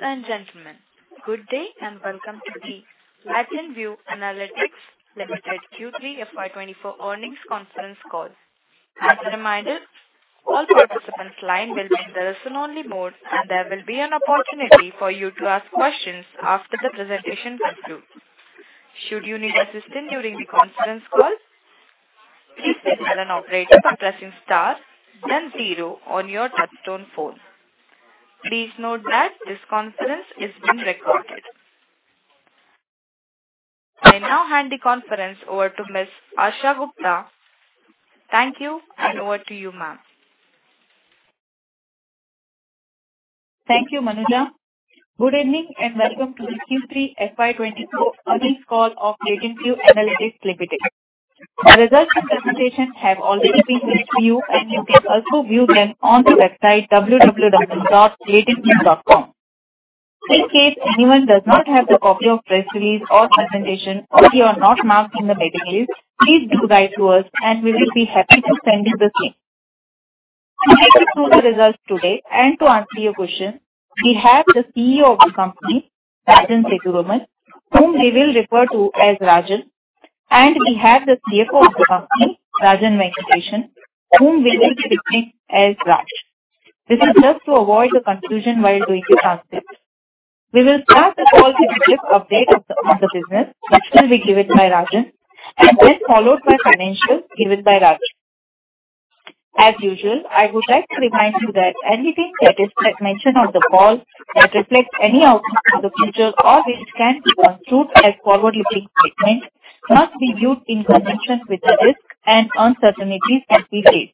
Ladies and gentlemen, good day, and welcome to the LatentView Analytics Limited Q3 FY24 Earnings Conference Call. As a reminder, all participants' lines will be in the listen-only mode, and there will be an opportunity for you to ask questions after the presentation concludes. Should you need assistance during the conference call, please press star, then zero to reach an operator on your touchtone phone. Please note that this conference is being recorded. I now hand the conference over to Ms. Asha Gupta. Thank you, and over to you, ma'am. Thank you, Manuja. Good evening, and welcome to the Q3 FY24 earnings call of LatentView Analytics Limited. The results and presentations have already been sent to you, and you can also view them on the website www.latentview.com. In case anyone does not have the copy of press release or presentation, or you are not marked in the mailing list, please do write to us, and we will be happy to send you the same. To take us through the results today and to answer your questions, we have the CEO of the company, Rajan Sethuraman, whom we will refer to as Rajan, and we have the CFO of the company, Rajan Venkatesan, whom we will be referring as Raj. This is just to avoid the confusion while doing the transcript. We will start the call with a brief update on the business, which will be given by Rajan, and then followed by financials given by Raj. As usual, I would like to remind you that anything that is mentioned on the call that reflects any outcome in the future or which can be construed as forward-looking statements must be viewed in connection with the risks and uncertainties that we face.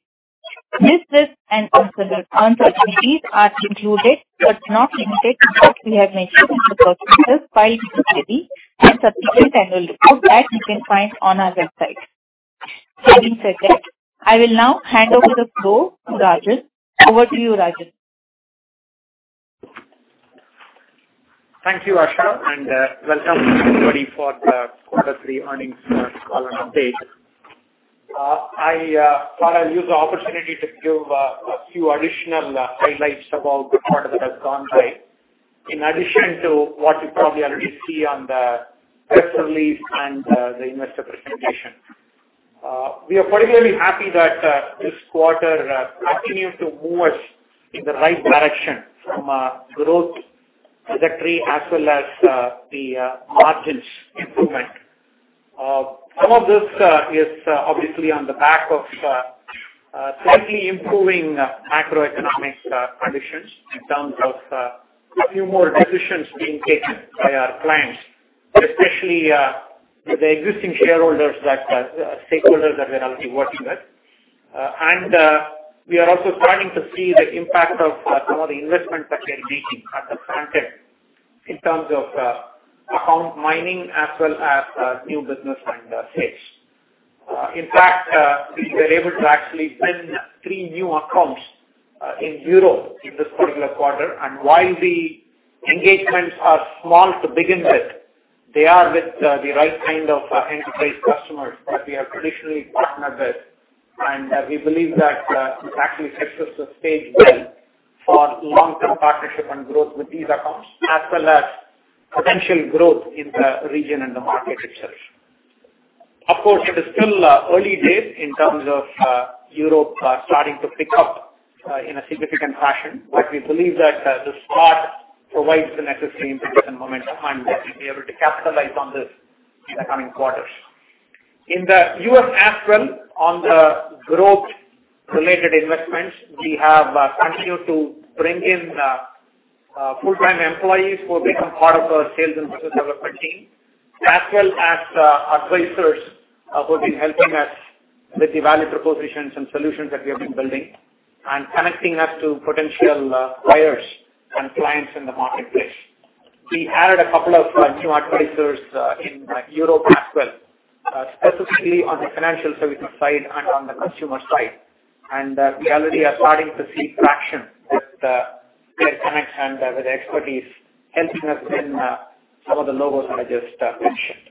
These risks and uncertainties are included, but not limited to, what we have mentioned in the prospectus filed with SEBI and subsequent annual reports that you can find on our website. That being said then, I will now hand over the floor to Rajan. Over to you, Rajan. Thank you, Asha, and welcome, everybody, for the quarter three earnings call and update. I thought I'd use the opportunity to give a few additional highlights about the quarter that has gone by, in addition to what you probably already see on the press release and the investor presentation. We are particularly happy that this quarter continued to move us in the right direction from a growth trajectory as well as the margins improvement. Some of this is obviously on the back of slightly improving macroeconomic conditions in terms of a few more decisions being taken by our clients, especially the existing shareholders that stakeholders that we're already working with. We are also starting to see the impact of some of the investments that we're making at the front end, in terms of account mining as well as new business and sales. In fact, we were able to actually win three new accounts in Europe in this particular quarter. And while the engagements are small to begin with, they are with the right kind of enterprise customers that we are traditionally partnered with. And we believe that this actually sets us the stage well for long-term partnership and growth with these accounts, as well as potential growth in the region and the market itself. Of course, it is still early days in terms of Europe starting to pick up in a significant fashion, but we believe that the start provides the necessary input and momentum, and that we'll be able to capitalize on this in the coming quarters. In the U.S. as well, on the growth-related investments, we have continued to bring in full-time employees who become part of our sales and business development team, as well as advisors who've been helping us with the value propositions and solutions that we have been building and connecting us to potential buyers and clients in the marketplace. We added a couple of new advisors in Europe as well, specifically on the financial services side and on the consumer side. We already are starting to see traction with their connect and with their expertise helping us in some of the logos I just mentioned.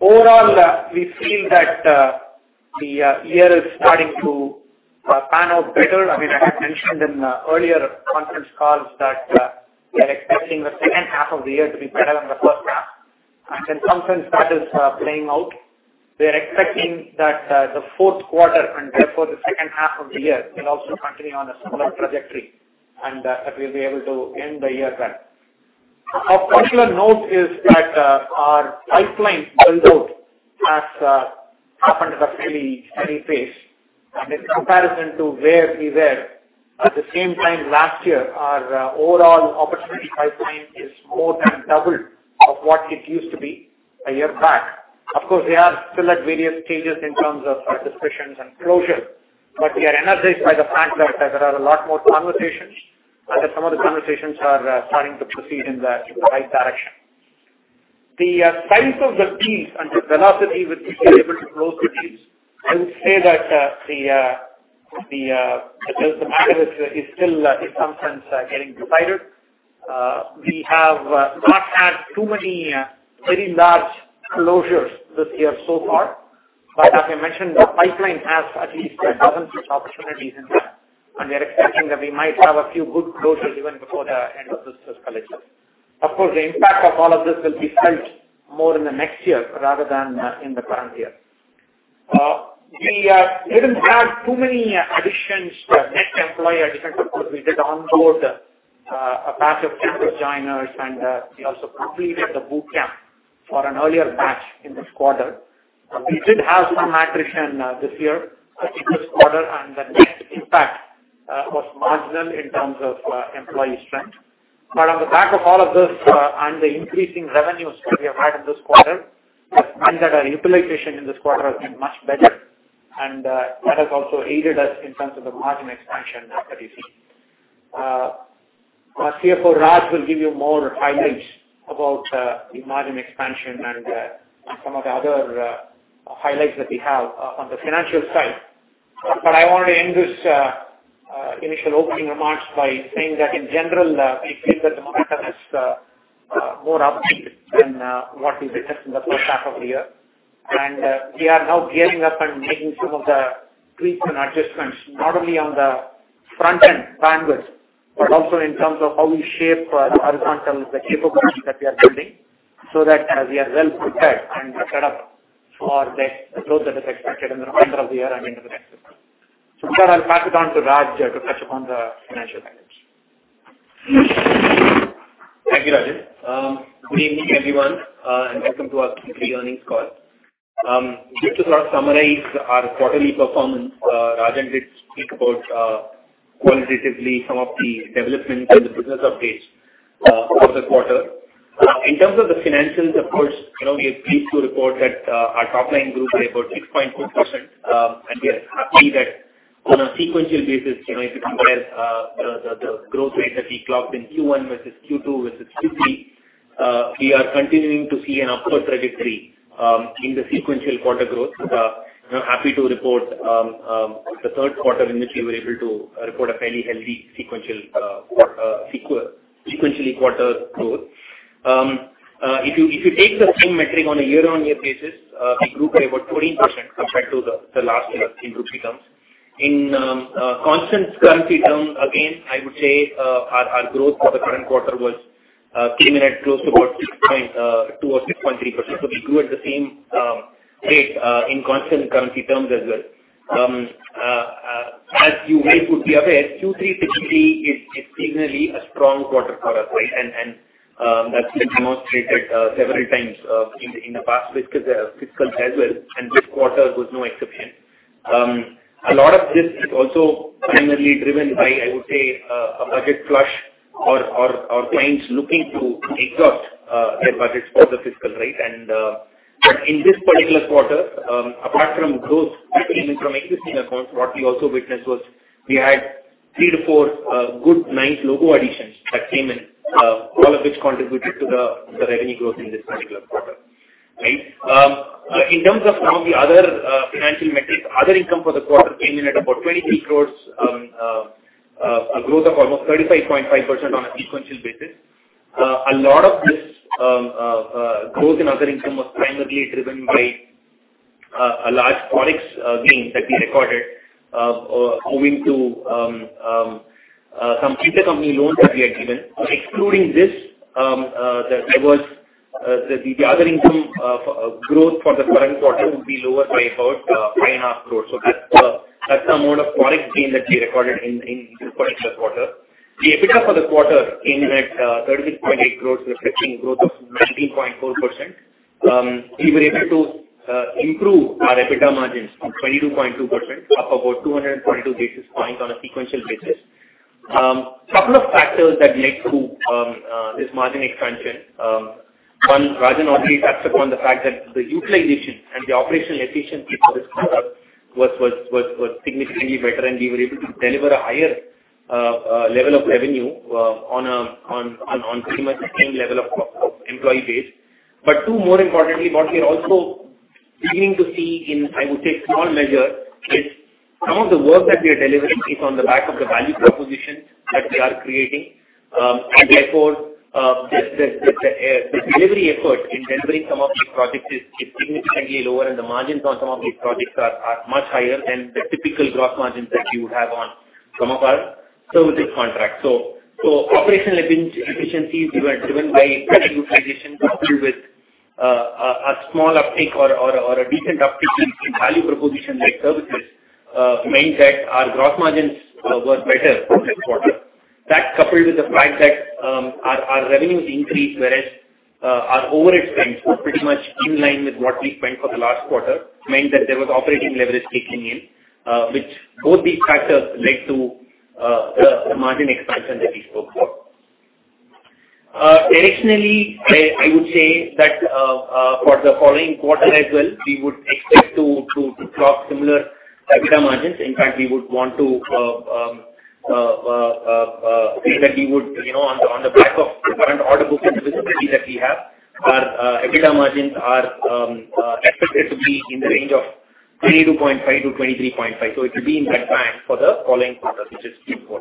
Overall, we feel that the year is starting to pan out better. I mean, I had mentioned in earlier conference calls that we are expecting the second half of the year to be better than the first half, and in some sense, that is playing out. We are expecting that the fourth quarter, and therefore, the second half of the year, will also continue on a similar trajectory, and that we'll be able to end the year well. Of particular note is that, our pipeline build-out has happened at a fairly steady pace, and in comparison to where we were at the same time last year, our overall opportunity pipeline is more than double of what it used to be a year back. Of course, we are still at various stages in terms of, discussions and closure, but we are energized by the fact that there are a lot more conversations, and that some of the conversations are starting to proceed in the right direction. The science of the deals and the velocity with which we're able to close the deals, I would say that the market is still in some sense getting tighter. We have not had too many very large closures this year so far. But as I mentioned, the pipeline has at least dozens of opportunities in that, and we are expecting that we might have a few good closures even before the end of this fiscal year. Of course, the impact of all of this will be felt more in the next year rather than in the current year. We didn't have too many additions to net employee additions. Of course, we did onboard a batch of campus joiners, and we also completed the boot camp for an earlier batch in this quarter. We did have some attrition this year, in this quarter, and the net impact was marginal in terms of employee strength. But on the back of all of this, and the increasing revenues that we have had in this quarter, has meant that our utilization in this quarter has been much better, and, that has also aided us in terms of the margin expansion that we see. Our CFO, Raj, will give you more highlights about, the margin expansion and, some of the other, highlights that we have, on the financial side. But I want to end this, initial opening remarks by saying that in general, we feel that the momentum is, more upbeat than, what we witnessed in the first half of the year. We are now gearing up and making some of the tweaks and adjustments, not only on the front-end bandwidth, but also in terms of how we shape the horizontal, the capabilities that we are building, so that we are well prepared and set up for the growth that is expected in the remainder of the year and into the next. So with that, I'll pass it on to Raj to touch upon the financial dynamics. Thank you, Rajan. Good evening, everyone, and welcome to our Q3 earnings call. Just to sort of summarize our quarterly performance, Rajan did speak about, qualitatively some of the developments and the business updates, for the quarter. In terms of the financials, of course, you know, we are pleased to report that, our top line grew by about 6.4%. And we are happy that on a sequential basis, you know, if you compare, the growth rate that we clocked in Q1 versus Q2 versus Q3, we are continuing to see an upward trajectory, in the sequential quarter growth. We're happy to report, the third quarter in which we were able to report a fairly healthy sequential quarter growth. If you take the same metric on a year-on-year basis, we grew by about 14% compared to the last year in rupee terms. In constant currency terms, again, I would say, our growth for the current quarter came in at close to about 6.2 or 6.3%. So we grew at the same rate in constant currency terms as well. As you well would be aware, Q3 typically is seasonally a strong quarter for us, right? That's been demonstrated several times in the past fiscal as well, and this quarter was no exception. A lot of this is also primarily driven by, I would say, a budget flush or, or, our clients looking to exhaust, their budgets for the fiscal rate. But in this particular quarter, apart from growth coming in from existing accounts, what we also witnessed was we had 3-4 good, nice logo additions that came in, all of which contributed to the revenue growth in this particular quarter, right? In terms of some of the other financial metrics, other income for the quarter came in at about 23 crore, a growth of almost 35.5% on a sequential basis. A lot of this growth in other income was primarily driven by a large Forex gain that we recorded moving to some intercompany loans that we had given. Excluding this, there was the other income growth for the current quarter would be lower by about 5.5 crores. So that's the amount of Forex gain that we recorded in this particular quarter. The EBITDA for the quarter came in at 36.8 crores, reflecting growth of 19.4%. We were able to improve our EBITDA margins from 22.2%, up about 222 basis points on a sequential basis. Couple of factors that led to this margin expansion. One, Rajan already touched upon the fact that the utilization and the operational efficiency for this quarter was significantly better, and we were able to deliver a higher level of revenue on a pretty much the same level of employee base. But two, more importantly, what we are also beginning to see in, I would say, small measure, is some of the work that we are delivering is on the back of the value proposition that we are creating. And therefore, the delivery effort in delivering some of these projects is significantly lower, and the margins on some of these projects are much higher than the typical gross margins that you have on some of our services contracts. So operational efficiencies were driven by better utilization, coupled with a small uptick or a decent uptick in value proposition like services, means that our gross margins were better this quarter. That coupled with the fact that our revenue increased, whereas our overhead spends were pretty much in line with what we spent for the last quarter, meant that there was operating leverage kicking in, which both these factors led to the margin expansion that we spoke about. Additionally, I would say that for the following quarter as well, we would expect to clock similar EBITDA margins. In fact, we would want to say that we would, you know, on the back of current order book visibility that we have, our EBITDA margins are expected to be in the range of 22.5-23.5. So it will be in that band for the following quarter, which is Q4.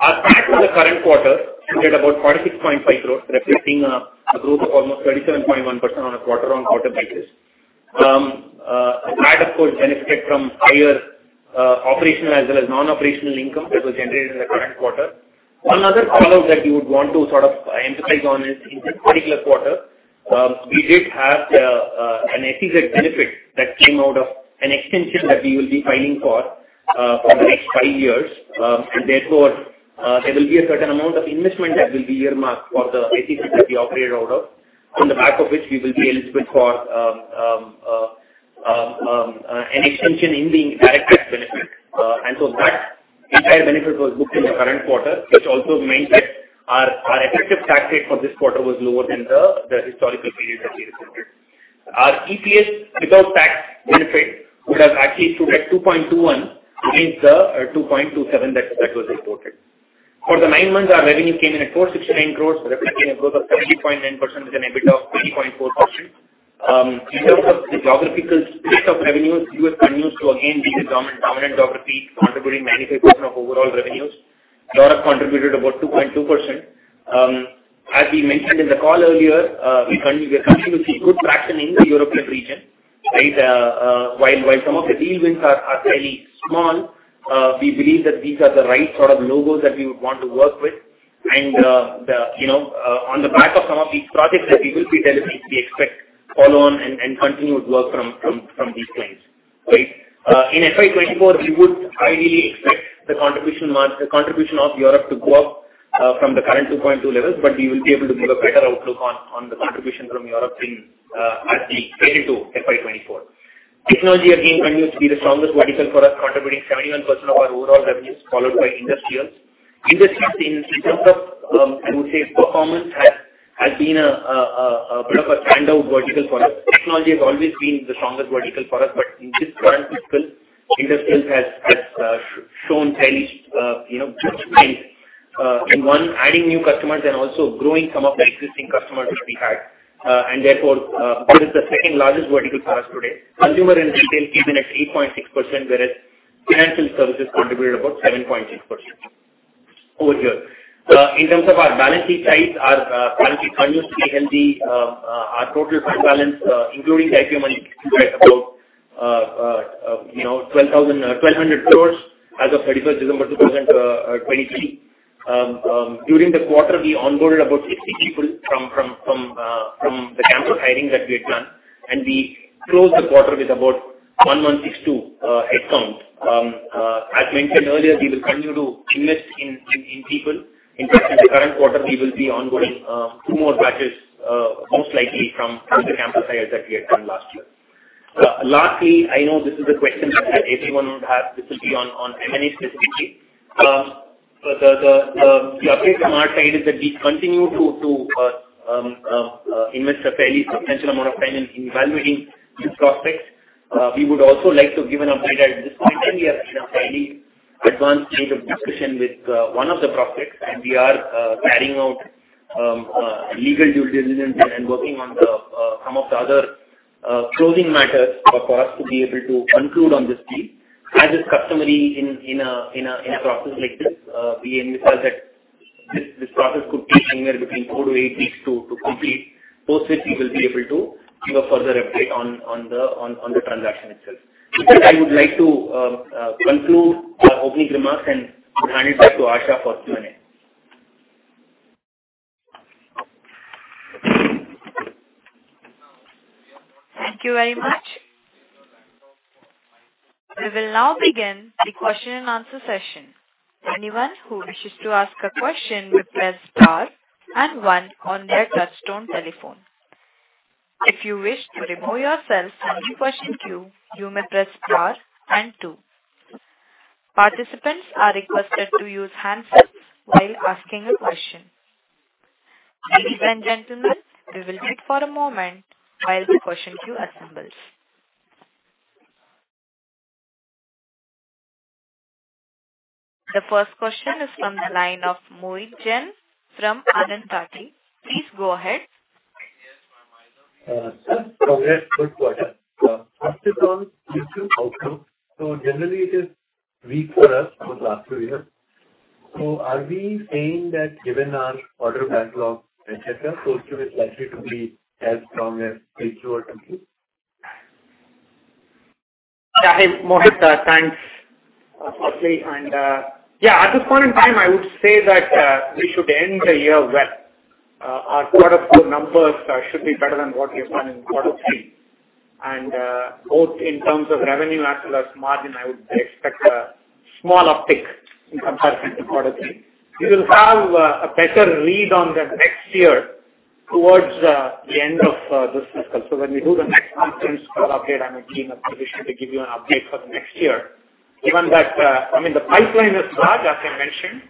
Our tax for the current quarter stood at about 46.5 crores, reflecting a growth of almost 37.1% on a quarter-on-quarter basis. That of course, benefit from higher operational as well as non-operational income that was generated in the current quarter. One other call-out that we would want to sort of emphasize on is, in this particular quarter, we did have an SEZ benefit that came out of an extension that we will be filing for for the next five years. And therefore, there will be a certain amount of investment that will be earmarked for the SEZ that we operate out of, on the back of which we will be eligible for an extension in the direct tax benefit. And so that entire benefit was booked in the current quarter, which also means that our effective tax rate for this quarter was lower than the historical period that we reported. Our EPS, without tax benefit, would have actually stood at 2.21 against the 2.27 that was reported. For the nine months, our revenue came in at 469 crore, representing a growth of 30.9% with an EBITDA of 20.4%. In terms of the geographical split of revenues, U.S. continues to again be the dominant geography, contributing 95% of overall revenues. Europe contributed about 2.2%. As we mentioned in the call earlier, we continue to see good traction in the European region, right? While some of the deal wins are fairly small, we believe that these are the right sort of logos that we would want to work with. You know, on the back of some of these projects that we will be delivering, we expect follow on and continued work from these clients. Right. In FY 2024, we would ideally expect the contribution of Europe to go up from the current 2.2 levels, but we will be able to give a better outlook on the contribution from Europe in as we get into FY 2024. Technology again continues to be the strongest vertical for us, contributing 71% of our overall revenues, followed by Industrials. Industrials in terms of, I would say performance has been a bit of a standout vertical for us. Technology has always been the strongest vertical for us, but in this current fiscal, Industrials has shown fairly, you know, good signs. In one, adding new customers and also growing some of the existing customers which we had. And therefore, this is the second largest vertical for us today. Consumer and retail came in at 8.6%, whereas financial services contributed about 7.6%. Over here, in terms of our balance sheet size, our balance sheet continues to be healthy. Our total fund balance, including the IPO money, stands at about, you know, 1,200 crore as of 31st December 2023. During the quarter, we onboarded about 60 people from the campus hiring that we had done, and we closed the quarter with about 1,162 headcount. As mentioned earlier, we will continue to invest in people. In fact, in the current quarter, we will be onboarding two more batches, most likely from the campus hires that we had done last year. Lastly, I know this is a question that everyone would have. This will be on M&A specifically. The update from our side is that we continue to invest a fairly substantial amount of time in evaluating new prospects. We would also like to give an update. At this point in time, we are in a fairly advanced state of discussion with one of the prospects, and we are carrying out legal due diligence and working on some of the other closing matters, of course, to be able to conclude on this deal. As is customary in a process like this, we anticipate that this process could be anywhere between four to eight weeks to complete. Post which we will be able to give a further update on the transaction itself. With that, I would like to conclude our opening remarks and hand it back to Asha for Q&A. Thank you very much. We will now begin the question and answer session. Anyone who wishes to ask a question would press star and one on their touchtone telephone. If you wish to remove yourself from the question queue, you may press star and two. Participants are requested to use handsets while asking a question. Ladies and gentlemen, we will wait for a moment while the question queue assembles. The first question is from the line of Mohit Jain from Anand Rathi. Please go ahead. Sir, congrats. Good quarter. First is on Q2 outcome. So generally, it is weak for us for the last two years. So are we saying that given our order backlog, et cetera, Q2 is likely to be as strong as Q1 or Q3? Hi, Mohit, thanks, firstly, yeah, at this point in time, I would say that we should end the year well. Our quarter four numbers should be better than what we have done in quarter three. And both in terms of revenue as well as margin, I would expect a small uptick in comparison to quarter three. We will have a better read on the next year towards the end of this fiscal. So when we do the next conference call update, I'm in a position to give you an update for the next year. Given that, I mean, the pipeline is large, as I mentioned,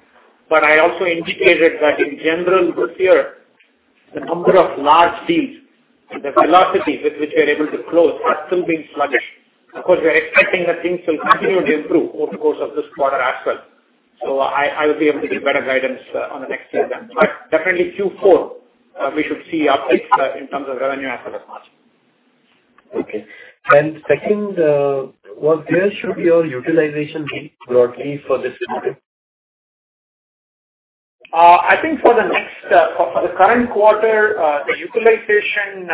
but I also indicated that in general, this year, the number of large deals, the velocity with which we are able to close are still being sluggish. Of course, we are expecting that things will continue to improve over the course of this quarter as well.... So I will be able to give better guidance on the next year, but definitely Q4, we should see uptick in terms of revenue as well as margin. Okay. Second, what where should your utilization be broadly for this quarter? I think for the current quarter, the utilization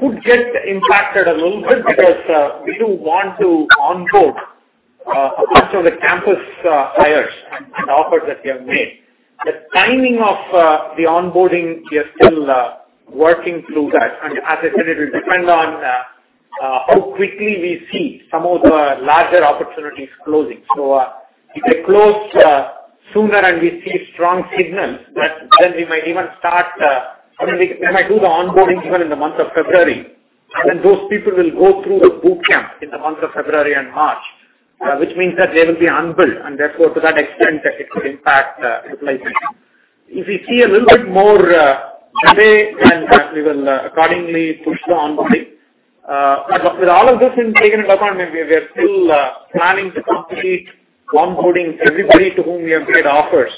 could get impacted a little bit because we do want to onboard a bunch of the campus hires and offers that we have made. The timing of the onboarding, we are still working through that. And as I said, it will depend on how quickly we see some of the larger opportunities closing. So, if they close sooner and we see strong signals, then we might even start, I mean, we might do the onboarding even in the month of February. And then those people will go through a boot camp in the month of February and March, which means that they will be unbilled, and therefore, to that extent, that it will impact utilization. If we see a little bit more delay, then we will accordingly push the onboarding. But with all of this taken into account, we are still planning to complete onboarding everybody to whom we have made offers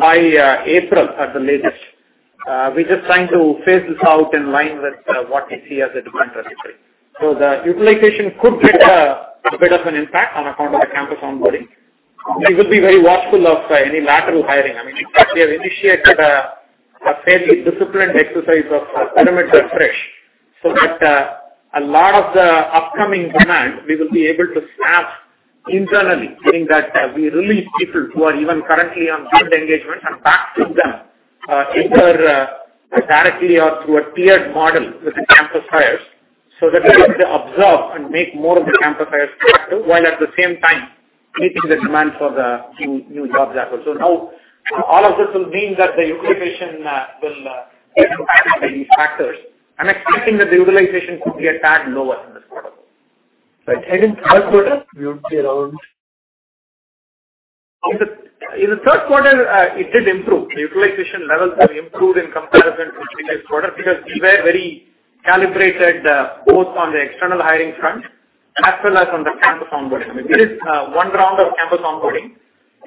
by April at the latest. We're just trying to phase this out in line with what we see as the demand trajectory. So the utilization could get a bit of an impact on account of the campus onboarding. We will be very watchful of any lateral hiring. I mean, we have initiated a fairly disciplined exercise of hiring of fresh, so that a lot of the upcoming demand, we will be able to snap internally, meaning that we release people who are even currently on field engagement and backfill them, either directly or through a tiered model with the campus hires, so that we have to absorb and make more of the campus hires active, while at the same time meeting the demand for the new, new jobs as well. So now all of this will mean that the utilization will get impacted by these factors. I'm expecting that the utilization could be a tad lower in this quarter. Right. And in third quarter, we would be around? In the third quarter, it did improve. The utilization levels have improved in comparison to the previous quarter because we were very calibrated, both on the external hiring front as well as on the campus onboarding. I mean, it is one round of campus onboarding,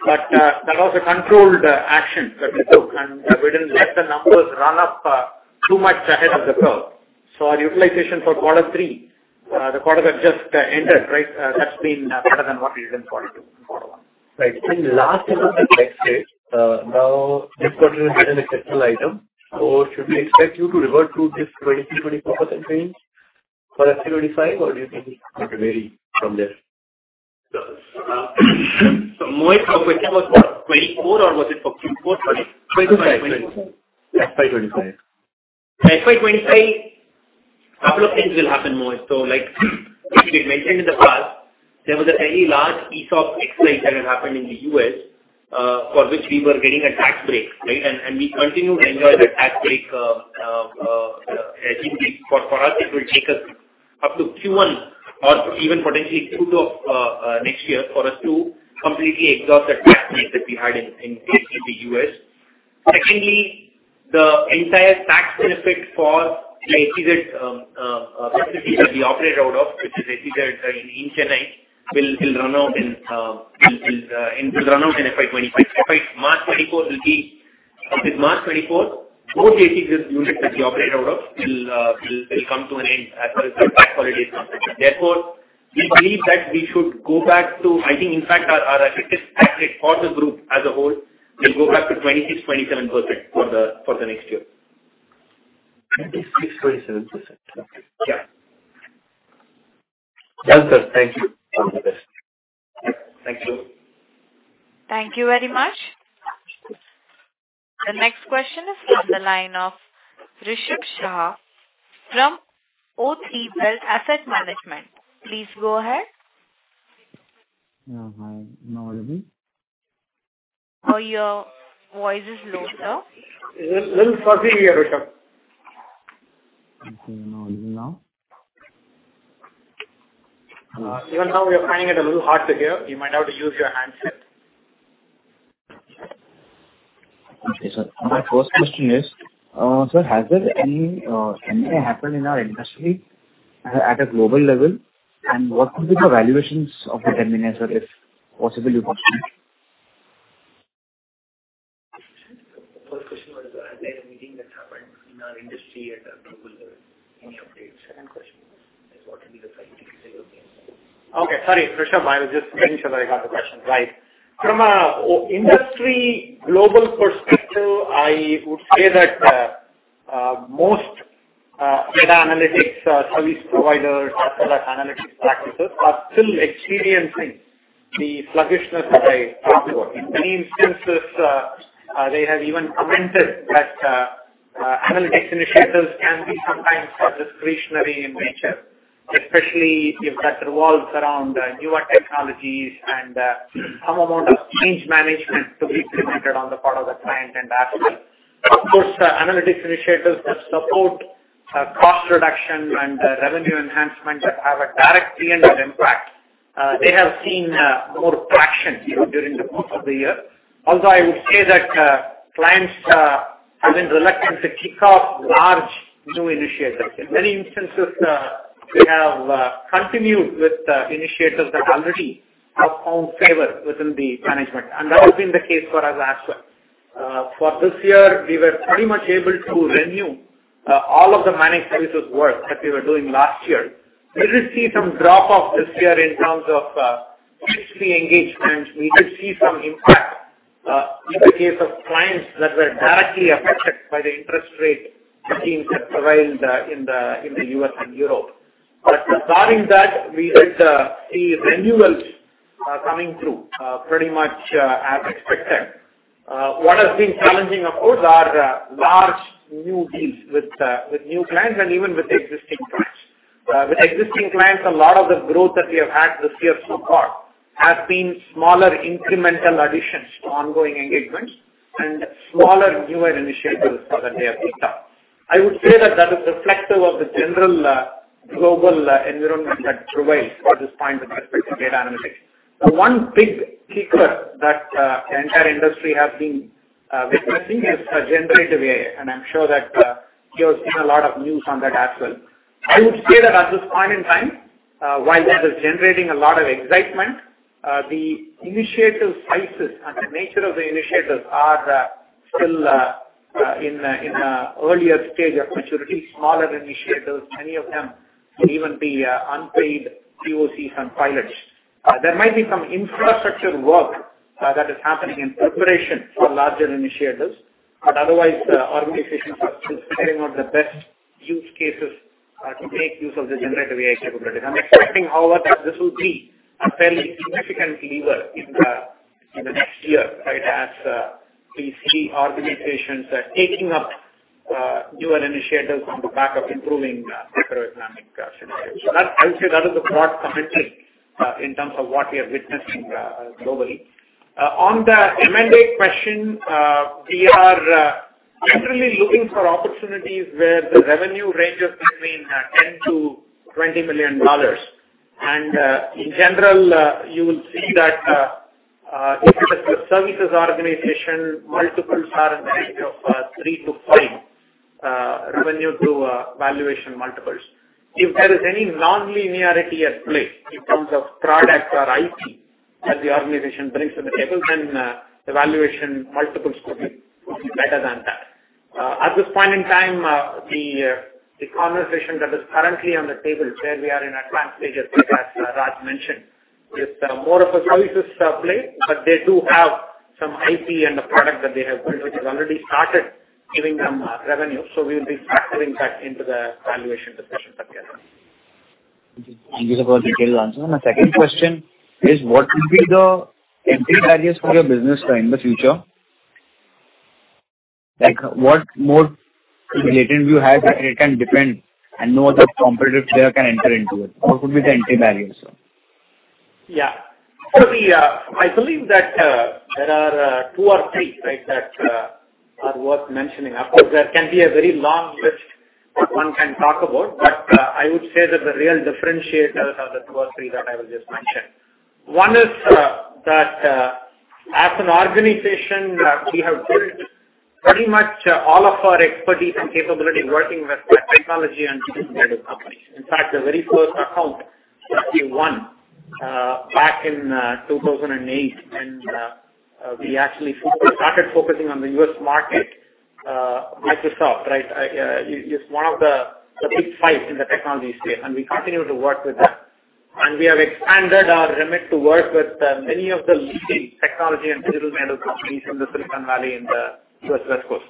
but that was a controlled action that we took, and we didn't let the numbers run up too much ahead of the curve. So our utilization for quarter three, the quarter that just entered, right, that's been better than what we did in quarter two and quarter one. Right. In last quarter, now this quarter is an exceptional item, so should we expect you to revert to this 23%-24% range for FY 2025, or do you think it may vary from there? So, so Mohit, for Q was what? 24, or was it for Q4? 24- 25. FY 2025. FY 2025, couple of things will happen, Mohit. So like we had mentioned in the past, there was a very large ESOP exit that had happened in the U.S., for which we were getting a tax break, right? And we continue to enjoy that tax break, for us, it will take us up to Q1 or even potentially Q2 of next year for us to completely exhaust the tax break that we had in the U.S. Secondly, the entire tax benefit for the SEZ facility that we operate out of, which is SEZ in Chennai, will run out in FY 25. FY—March 2024 will be... Up to March 2024, both SEZ units that we operate out of will come to an end as far as the tax holiday is concerned. Therefore, we believe that we should go back to, I think, in fact, our effective tax rate for the group as a whole will go back to 26%-27% for the next year. 26%-27%. Okay. Yeah. Well, sir, thank you. All the best. Thank you. Thank you very much. The next question is from the line of Rishabh Shah from O3 World Asset Management. Please go ahead. Yeah, hi. I'm audible? Your voice is low, sir. It's a little fuzzy here, Rishabh. Okay, now a little now. Even now we are finding it a little hard to hear. You might have to use your handset. Okay, sir. My first question is, sir, has there any MA happened in our industry at a global level? What would be the valuations of the terminal, sir, if possibly you want to share? The first question was, has there a meeting that happened in our industry at a global level? Any updates? And the question is, what will be the five years of the end? Okay, sorry, Rishabh. I was just making sure that I got the question right. From a global industry perspective, I would say that most data analytics service providers as well as analytics practices are still experiencing the sluggishness that I talked about. In many instances, they have even commented that analytics initiatives can be sometimes discretionary in nature, especially if that revolves around newer technologies and some amount of change management to be implemented on the part of the client and ourselves. Of course, analytics initiatives that support cost reduction and revenue enhancement that have a direct P&L impact, they have seen more traction even during the course of the year. Although I would say that clients have been reluctant to kick off large new initiatives. In many instances, we have continued with initiatives that already have won favor within the management, and that has been the case for us as well. For this year, we were pretty much able to renew all of the managed services work that we were doing last year. We did see some drop-off this year in terms of existing engagements. We did see some impact in the case of clients that were directly affected by the interest rate regimes that prevailed in the US and Europe. But barring that, we did see renewals coming through pretty much as expected. What has been challenging, of course, are large new deals with new clients and even with existing clients. With existing clients, a lot of the growth that we have had this year so far has been smaller incremental additions to ongoing engagements and smaller, newer initiatives that they have picked up. I would say that that is reflective of the general global environment that prevails at this point with respect to data analytics. The one big kicker that the entire industry has been witnessing is Generative AI, and I'm sure that you have seen a lot of news on that as well. I would say that at this point in time, while this is generating a lot of excitement, the initiative sizes and the nature of the initiatives are still in an earlier stage of maturity, smaller initiatives, many of them could even be unpaid POCs and pilots. There might be some infrastructure work that is happening in preparation for larger initiatives, but otherwise, the organizations are still figuring out the best use cases to make use of the generative AI capabilities. I'm expecting, however, that this will be a fairly significant lever in the next year, right, as we see organizations taking up newer initiatives on the back of improving macroeconomic scenarios. So, I would say that is the broad commentary in terms of what we are witnessing globally. On the M&A question, we are generally looking for opportunities where the revenue ranges between $10 million-$20 million. In general, you will see that if it is a services organization, multiples are in the range of 3-5 revenue to valuation multiples. If there is any nonlinearity at play in terms of product or IP that the organization brings to the table, then the valuation multiples could be better than that. At this point in time, the conversation that is currently on the table where we are in advanced stages, as Raj mentioned, is more of a services play, but they do have some IP and a product that they have built, which has already started giving them revenue. We'll be factoring that into the valuation discussion that we have. Thank you for the detailed answer. My second question is, what will be the entry barriers for your business in the future? Like, what more creative you have that it can depend and no other competitive player can enter into it? What would be the entry barriers? Yeah. So we... I believe that there are two or three, right, that are worth mentioning. Of course, there can be a very long list that one can talk about, but I would say that the real differentiators are the two or three that I will just mention. One is that as an organization we have built pretty much all of our expertise and capability working with technology and digital companies. In fact, the very first account that we won back in 2008, and we actually started focusing on the U.S. market, Microsoft, right? is one of the big five in the technology space, and we continue to work with them. We have expanded our remit to work with many of the leading technology and digital companies in the Silicon Valley in the U.S. West Coast.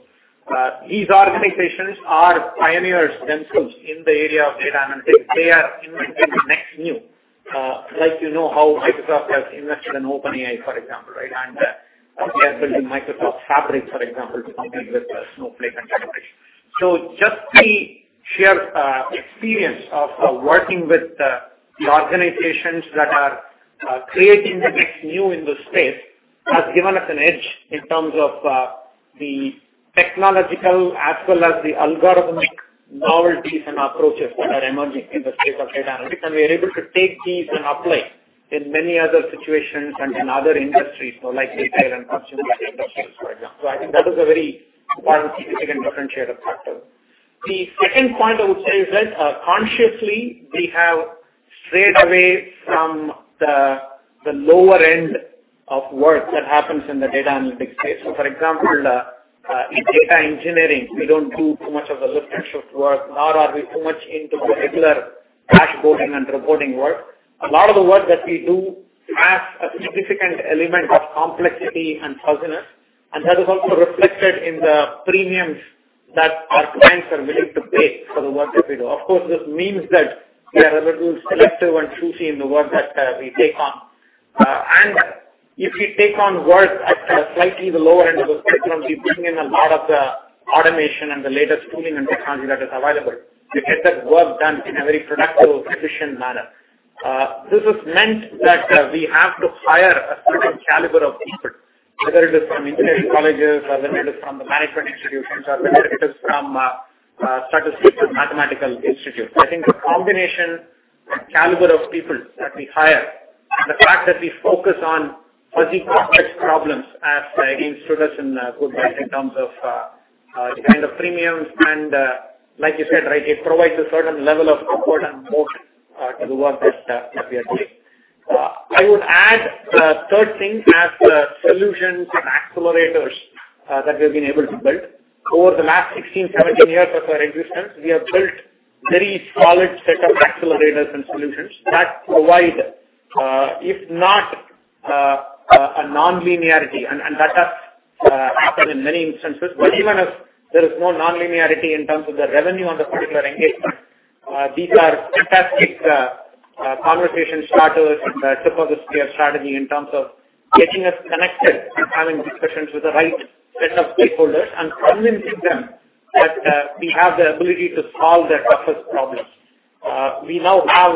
These organizations are pioneers themselves in the area of data analytics. They are inventing the next new, like, you know, how Microsoft has invested in OpenAI, for example, right? And they are building Microsoft Fabric, for example, to compete with Snowflake and others. So just the sheer experience of working with the organizations that are creating the next new in this space has given us an edge in terms of the technological as well as the algorithmic novelties and approaches that are emerging in the space of data analytics. And we are able to take these and apply in many other situations and in other industries, so like retail and consumer industries, for example. So I think that is a very important significant differentiator factor. The second point I would say is that, consciously, we have strayed away from the lower end of work that happens in the data analytics space. So for example, in data engineering, we don't do too much of the lift and shift work, nor are we too much into the regular dashboarding and reporting work. A lot of the work that we do has a significant element of complexity and fuzziness, and that is also reflected in the premiums that our clients are willing to pay for the work that we do. Of course, this means that we are a little selective and choosy in the work that we take on. And if we take on work at slightly the lower end of the spectrum, we bring in a lot of the automation and the latest tooling and technology that is available to get that work done in a very productive, efficient manner. This has meant that we have to hire a certain caliber of people, whether it is from engineering colleges, whether it is from the management institutions, or whether it is from statistical mathematical institutes. I think caliber of people that we hire, and the fact that we focus on fuzzy complex problems, as again Sudarshan put right in terms of the kind of premiums. And like you said, right, it provides a certain level of comfort and motion to the work that that we are doing. I would add, third thing as, solutions and accelerators, that we've been able to build. Over the last 16-17 years of our existence, we have built very solid set of accelerators and solutions that provide, if not, a non-linearity, and, and that has, happened in many instances. But even if there is no non-linearity in terms of the revenue on the particular engagement, these are fantastic, conversation starters and took off the clear strategy in terms of getting us connected and having discussions with the right set of stakeholders, and convincing them that, we have the ability to solve their toughest problems. We now have,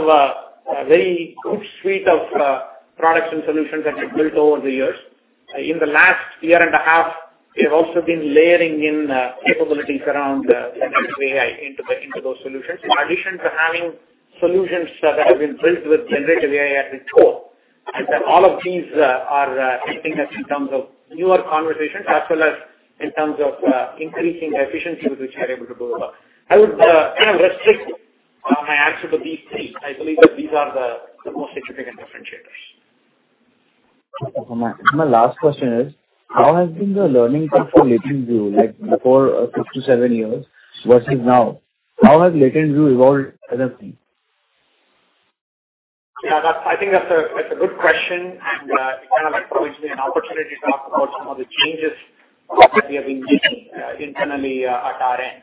a very good suite of, products and solutions that we've built over the years. In the last year and a half, we have also been layering in capabilities around Generative AI into those solutions. In addition to having solutions that have been built with Generative AI at the core, and that all of these are helping us in terms of newer conversations as well as in terms of increasing the efficiency with which we are able to do the work. I would kind of restrict my answer to these three. I believe that these are the most significant differentiators. My, my last question is: How has been the learning curve for LatentView, like, before, six to seven years versus now? How has LatentView evolved as a team? Yeah, that's—I think that's a, that's a good question, and it kind of gives me an opportunity to talk about some of the changes that we have been doing internally at our end.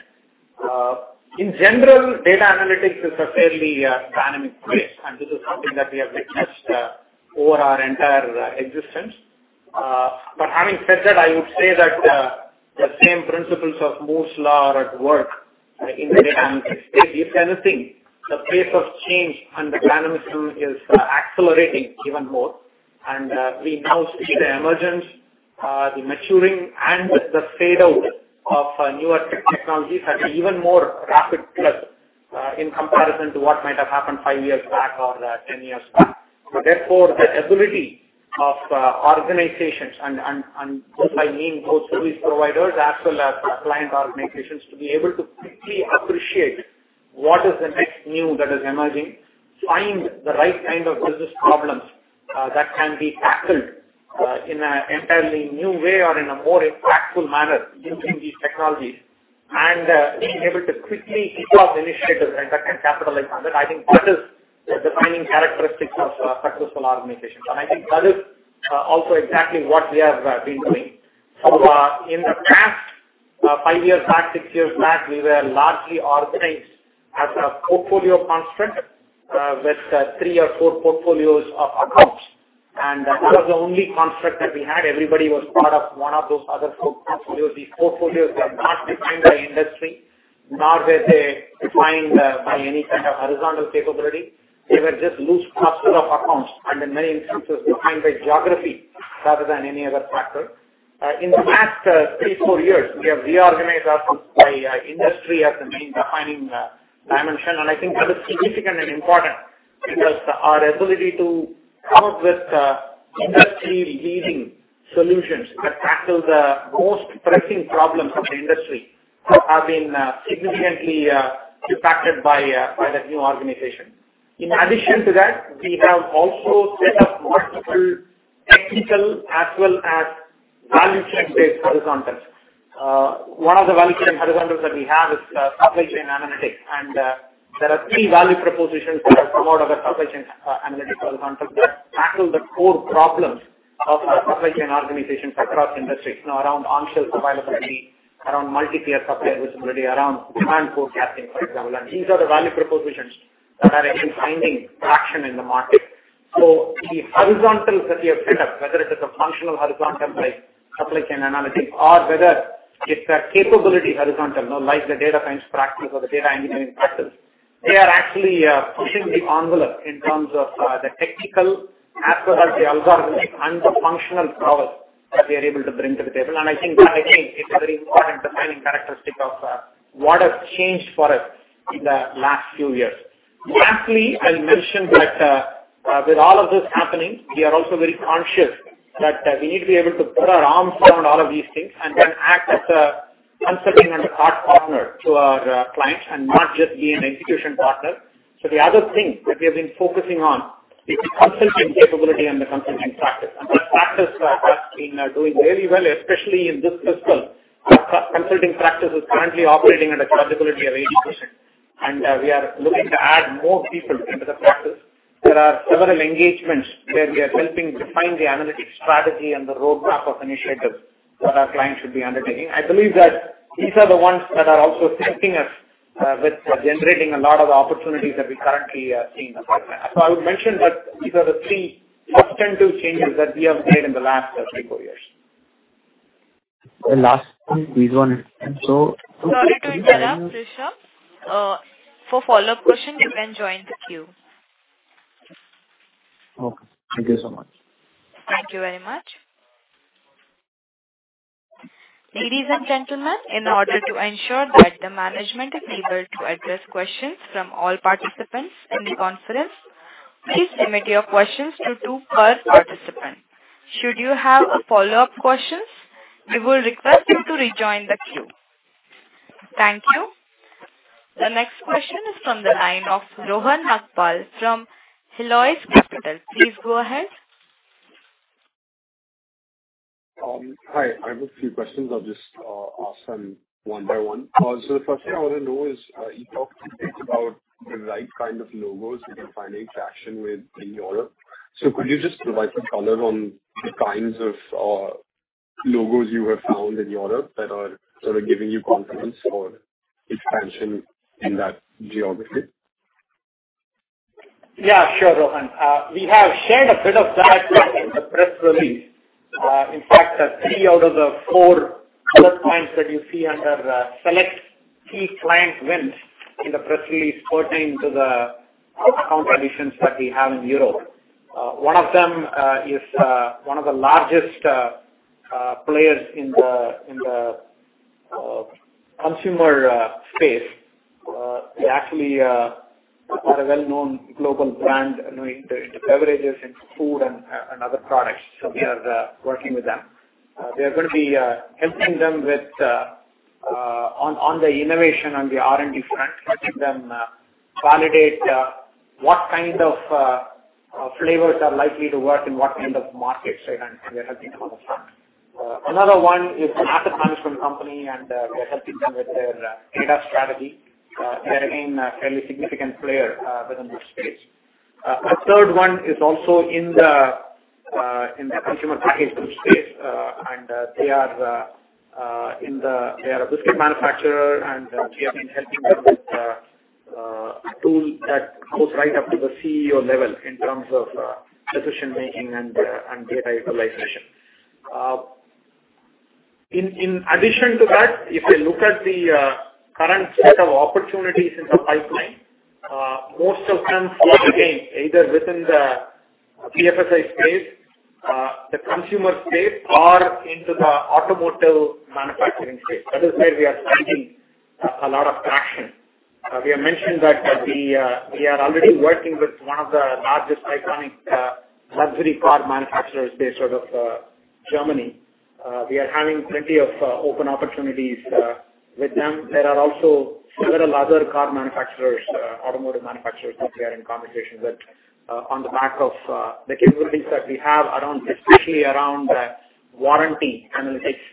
In general, data analytics is a fairly dynamic space, and this is something that we have witnessed over our entire existence. But having said that, I would say that the same principles of Moore's Law are at work in the data analytics space. If anything, the pace of change and the dynamism is accelerating even more, and we now see the emergence, the maturing and the fade out of newer technologies at an even more rapid clip in comparison to what might have happened five years back or 10 years back. Therefore, the ability of organizations and namely both service providers as well as client organizations to be able to quickly appreciate what is the next new that is emerging, find the right kind of business problems that can be tackled in an entirely new way or in a more impactful manner using these technologies, and being able to quickly kick off initiatives that can capitalize on that, I think that is the defining characteristics of successful organizations. And I think that is also exactly what we have been doing. So, in the past five years back, six years back, we were largely organized as a portfolio construct with three or four portfolios of accounts, and that was the only construct that we had. Everybody was part of one of those other portfolios. These portfolios were not defined by industry, nor were they defined by any kind of horizontal capability. They were just loose cluster of accounts, and in many instances, defined by geography rather than any other factor. In the past three to four years, we have reorganized ourselves by industry as the main defining dimension. I think that is significant and important because our ability to come up with industry-leading solutions that tackle the most pressing problems of the industry have been significantly impacted by the new organization. In addition to that, we have also set up multiple technical as well as value chain-based horizontals. One of the value chain horizontals that we have is supply chain analytics. There are three value propositions that have come out of the supply chain analytics horizontal that tackle the core problems of our supply chain organizations across industries, you know, around on-shelf availability, around multi-tier supplier visibility, around demand forecasting, for example. These are the value propositions that are again finding traction in the market. The horizontals that we have set up, whether it is a functional horizontal, like supply chain analytics, or whether it's a capability horizontal, you know, like the data science practice or the data engineering practice, they are actually pushing the envelope in terms of the technical as well as the algorithmic and the functional prowess that we are able to bring to the table. And I think that, I think, is a very important defining characteristic of what has changed for us in the last few years. Lastly, I'll mention that, with all of this happening, we are also very conscious that, we need to be able to put our arms around all of these things and then act as a consulting and a part partner to our, clients and not just be an execution partner. So the other thing that we have been focusing on is the consulting capability and the consulting practice. And that practice has been doing very well, especially in this fiscal. Our core consulting practice is currently operating at a credibility of 80%, and, we are looking to add more people into the practice. There are several engagements where we are helping define the analytics strategy and the roadmap of initiatives that our clients should be undertaking. I believe that these are the ones that are also helping us with generating a lot of opportunities that we currently are seeing. So I would mention that these are the three substantive changes that we have made in the last three to four years. The last one, please. Sorry to interrupt, Rishabh. For follow-up question, you can join the queue. Okay, thank you so much. Thank you very much.... Ladies and gentlemen, in order to ensure that the management is able to address questions from all participants in the conference, please limit your questions to two per participant. Should you have a follow-up questions, we will request you to rejoin the queue. Thank you. The next question is from the line of Rohan Nagpal from Helios Capital. Please go ahead. Hi, I have a few questions. I'll just ask them one by one. So the first thing I want to know is, you talked a bit about the right kind of logos you can find traction with in Europe. So could you just provide some color on the kinds of logos you have found in Europe that are sort of giving you confidence or expansion in that geography? Yeah, sure, Rohan. We have shared a bit of that in the press release. In fact, the three out of the four bullet points that you see under select key client wins in the press release pertaining to the account additions that we have in Europe. One of them is one of the largest players in the consumer space. They actually are a well-known global brand into beverages, into food and other products. So we are working with them. We are gonna be helping them with on the innovation on the R&D front, helping them validate what kind of flavors are likely to work in what kind of markets, right? And we are helping them on the front. Another one is an asset management company, and we are helping them with their data strategy. They are, again, a fairly significant player within this space. A third one is also in the consumer packaged goods space, and they are a biscuit manufacturer, and we have been helping them with a tool that goes right up to the CEO level in terms of decision making and data visualization. In addition to that, if you look at the current set of opportunities in the pipeline, most of them fall again, either within the PFSI space, the consumer space, or into the automotive manufacturing space. That is where we are finding a lot of traction. We have mentioned that we are already working with one of the largest iconic luxury car manufacturers based out of Germany. We are having plenty of open opportunities with them. There are also several other car manufacturers, automotive manufacturers, that we are in conversations with, on the back of the capabilities that we have around, especially around, warranty analytics,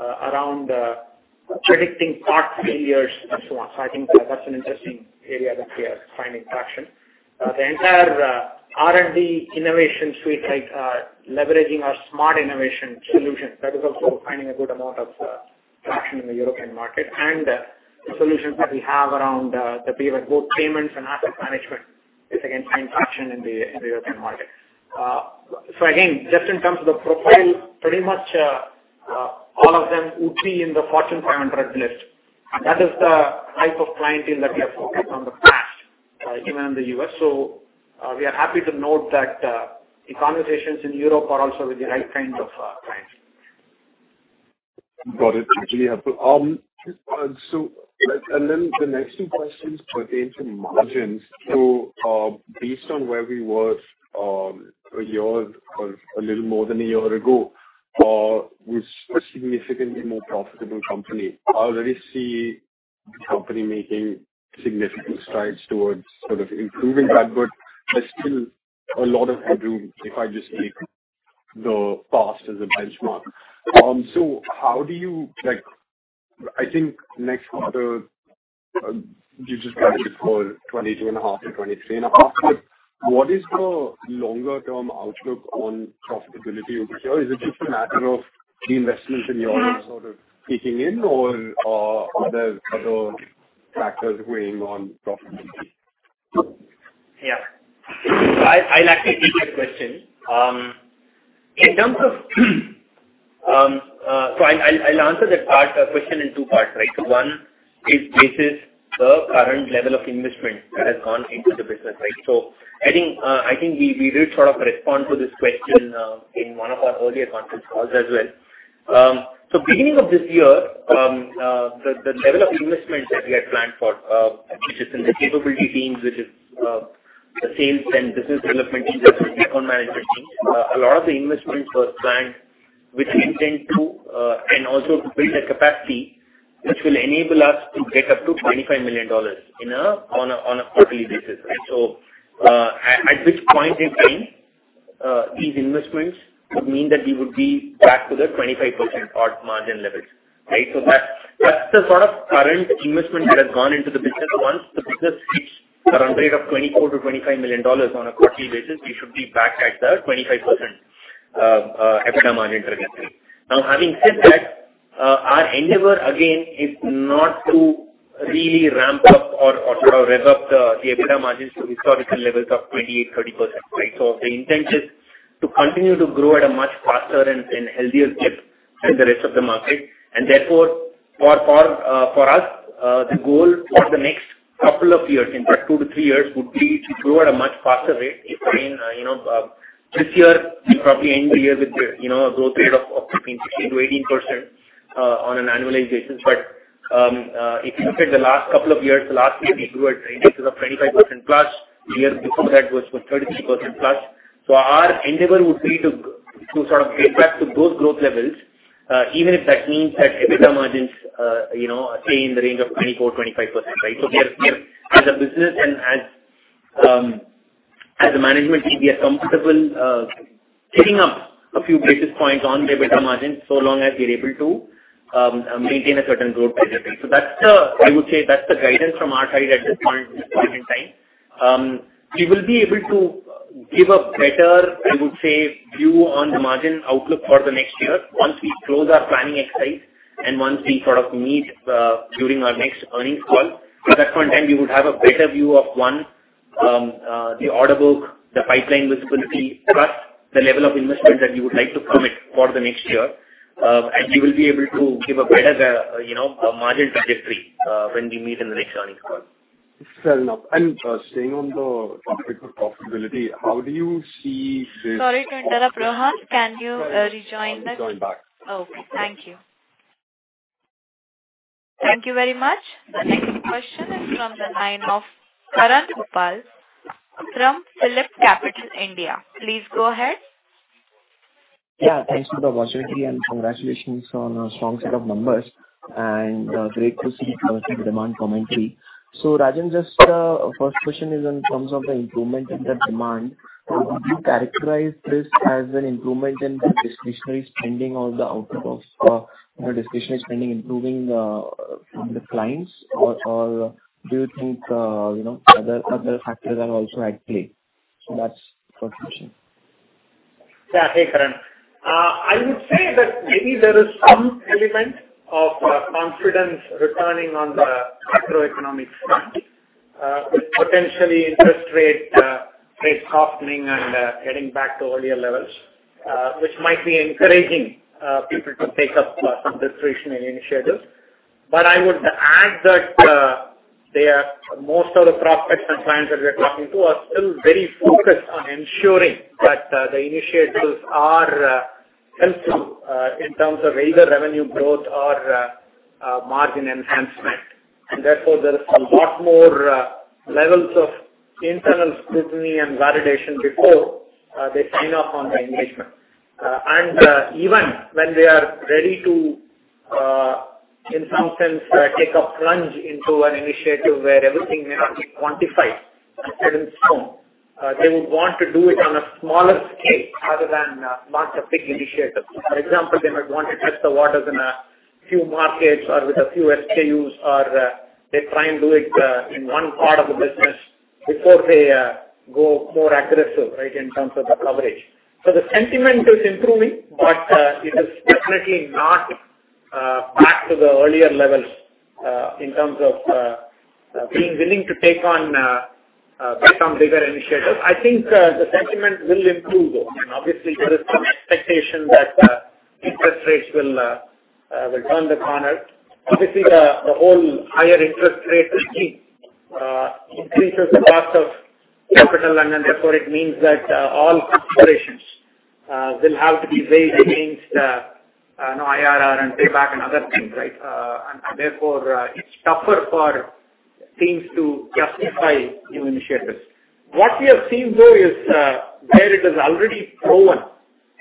around predicting part failures and so on. So I think that's an interesting area that we are finding traction. The entire R&D innovation suite, like leveraging our Smart Innovation solutions, that is also finding a good amount of traction in the European market, and the solutions that we have around the pay-by-bot payments and asset management is again finding traction in the European market. So again, just in terms of the profile, pretty much, all of them would be in the Fortune 500 list. That is the type of clientele that we have focused on the past, even in the U.S. So, we are happy to note that, the conversations in Europe are also with the right kind of, clients. Got it. Thank you. And then the next two questions pertain to margins. Based on where we were a year or a little more than a year ago, we're a significantly more profitable company. I already see the company making significant strides towards sort of improving that, but there's still a lot of headroom if I just take the past as a benchmark. How do you... Like, I think next quarter you just guided for 22.5%-23.5%. But what is the longer-term outlook on profitability over here? Is it just a matter of the investments in Europe sort of kicking in, or are there other factors weighing on profitability? Yeah. I'll actually take that question. In terms of, so I'll answer that part, question in two parts, right? So one is based the current level of investment that has gone into the business, right? So I think we did sort of respond to this question in one of our earlier conference calls as well. So beginning of this year, the level of investment that we had planned for, which is in the capability teams, which is the sales and business development teams, as well as account management teams. A lot of the investments were planned with the intent to and also to build a capacity which will enable us to get up to $25 million on a quarterly basis, right? So, at which point in time, these investments would mean that we would be back to the 25% odd margin levels, right? So that's the sort of current investment that has gone into the business. Once the business hits around rate of $24 million-$25 million on a quarterly basis, we should be back at the 25%, EBITDA margin trajectory. Now, having said that, our endeavor, again, is not to really ramp up or rev up the EBITDA margins to historical levels of 28%-30%, right? So the intent is to continue to grow at a much faster and healthier clip than the rest of the market, and therefore—for us, the goal for the next couple of years, in fact, two to three years, would be to grow at a much faster rate. I mean, you know, this year we probably end the year with a, you know, a growth rate of, of between 16%-18%, on an annual basis. But, if you look at the last couple of years, last year, we grew at rates of 25% plus. The year before that was for 33% plus. So our endeavor would be to, to sort of get back to those growth levels, even if that means that EBITDA margins, you know, stay in the range of 24%-25%, right? So we are, we are as a business and as, as a management team, we are comfortable, giving up a few basis points on the EBITDA margins, so long as we are able to, maintain a certain growth rate. So that's the I would say that's the guidance from our side at this point in time. We will be able to give a better, I would say, view on the margin outlook for the next year once we close our planning exercise, and once we sort of meet during our next earnings call. So at that point in time, we would have a better view of, one, the order book, the pipeline visibility, plus the level of investment that we would like to commit for the next year. And we will be able to give a better, you know, a margin trajectory, when we meet in the next earnings call. Fair enough. And, staying on the topic of profitability, how do you see this- Sorry to interrupt, Rohan. Can you rejoin us? I'm joined back. Okay, thank you. Thank you very much. The next question is from the line of Karan Uppal from PhillipCapital India. Please go ahead. Yeah, thanks for the opportunity, and congratulations on a strong set of numbers, and great to see the demand commentary. So, Rajan, just first question is in terms of the improvement in the demand. Would you characterize this as an improvement in the discretionary spending on the output of the discretionary spending improving from the clients? Or do you think, you know, other factors are also at play? So that's first question. Yeah. Hey, Karan. I would say that maybe there is some element of confidence returning on the macroeconomic front, with potentially interest rate rate softening and getting back to earlier levels, which might be encouraging people to take up some discretionary initiatives. But I would add that they are. Most of the prospects and clients that we are talking to are still very focused on ensuring that the initiatives are helpful in terms of either revenue growth or margin enhancement. And therefore, there is a lot more levels of internal scrutiny and validation before they sign off on the engagement. And even when they are ready to, in some sense, take a plunge into an initiative where everything may not be quantified and set in stone, they would want to do it on a smaller scale rather than launch a big initiative. For example, they might want to test the waters in a few markets or with a few SKUs, or they try and do it in one part of the business before they go more aggressive, right, in terms of the coverage. So the sentiment is improving, but it is definitely not back to the earlier levels in terms of being willing to take on take on bigger initiatives. I think the sentiment will improve, though, and obviously there is some expectation that interest rates will turn the corner. Obviously, the whole higher interest rate regime increases the cost of capital, and then, therefore, it means that all considerations will have to be weighed against, you know, IRR and payback and other things, right? And therefore, it's tougher for teams to justify new initiatives. What we have seen, though, is where it is already proven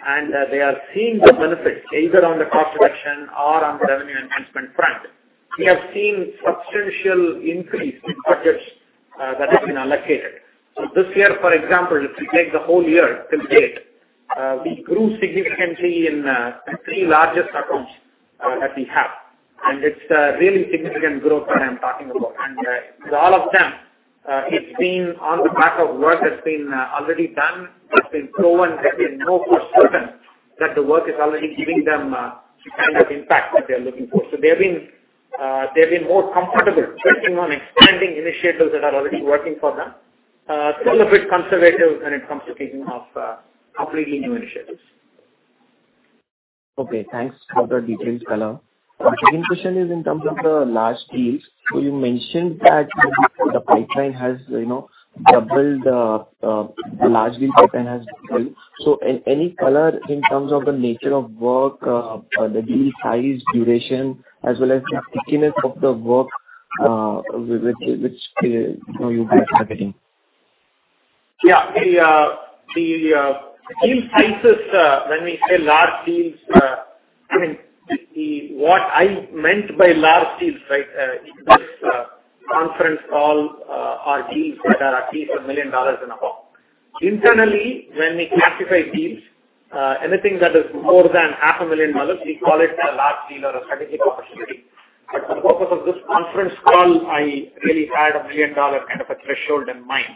and they are seeing the benefits, either on the cost reduction or on the revenue enhancement front. We have seen substantial increase in budgets that have been allocated. So this year, for example, if you take the whole year till date, we grew significantly in the three largest accounts that we have, and it's a really significant growth that I'm talking about. With all of them, it's been on the back of work that's been already done, that's been proven, that we know for certain that the work is already giving them the kind of impact that they're looking for. So they've been more comfortable betting on expanding initiatives that are already working for them. Still a bit conservative when it comes to taking off completely new initiatives. Okay, thanks for the detailed color. My second question is in terms of the large deals. So you mentioned that the pipeline has, you know, doubled, the large deal pipeline has doubled. So any color in terms of the nature of work, the deal size, duration, as well as the thickness of the work, which you guys are getting? Yeah. The deal sizes, when we say large deals, I mean, the—what I meant by large deals, right, in this conference call, are deals that are at least $1 million and above. Internally, when we classify deals, anything that is more than $500,000, we call it a large deal or a strategic opportunity. But for the purpose of this conference call, I really had a million-dollar kind of a threshold in mind.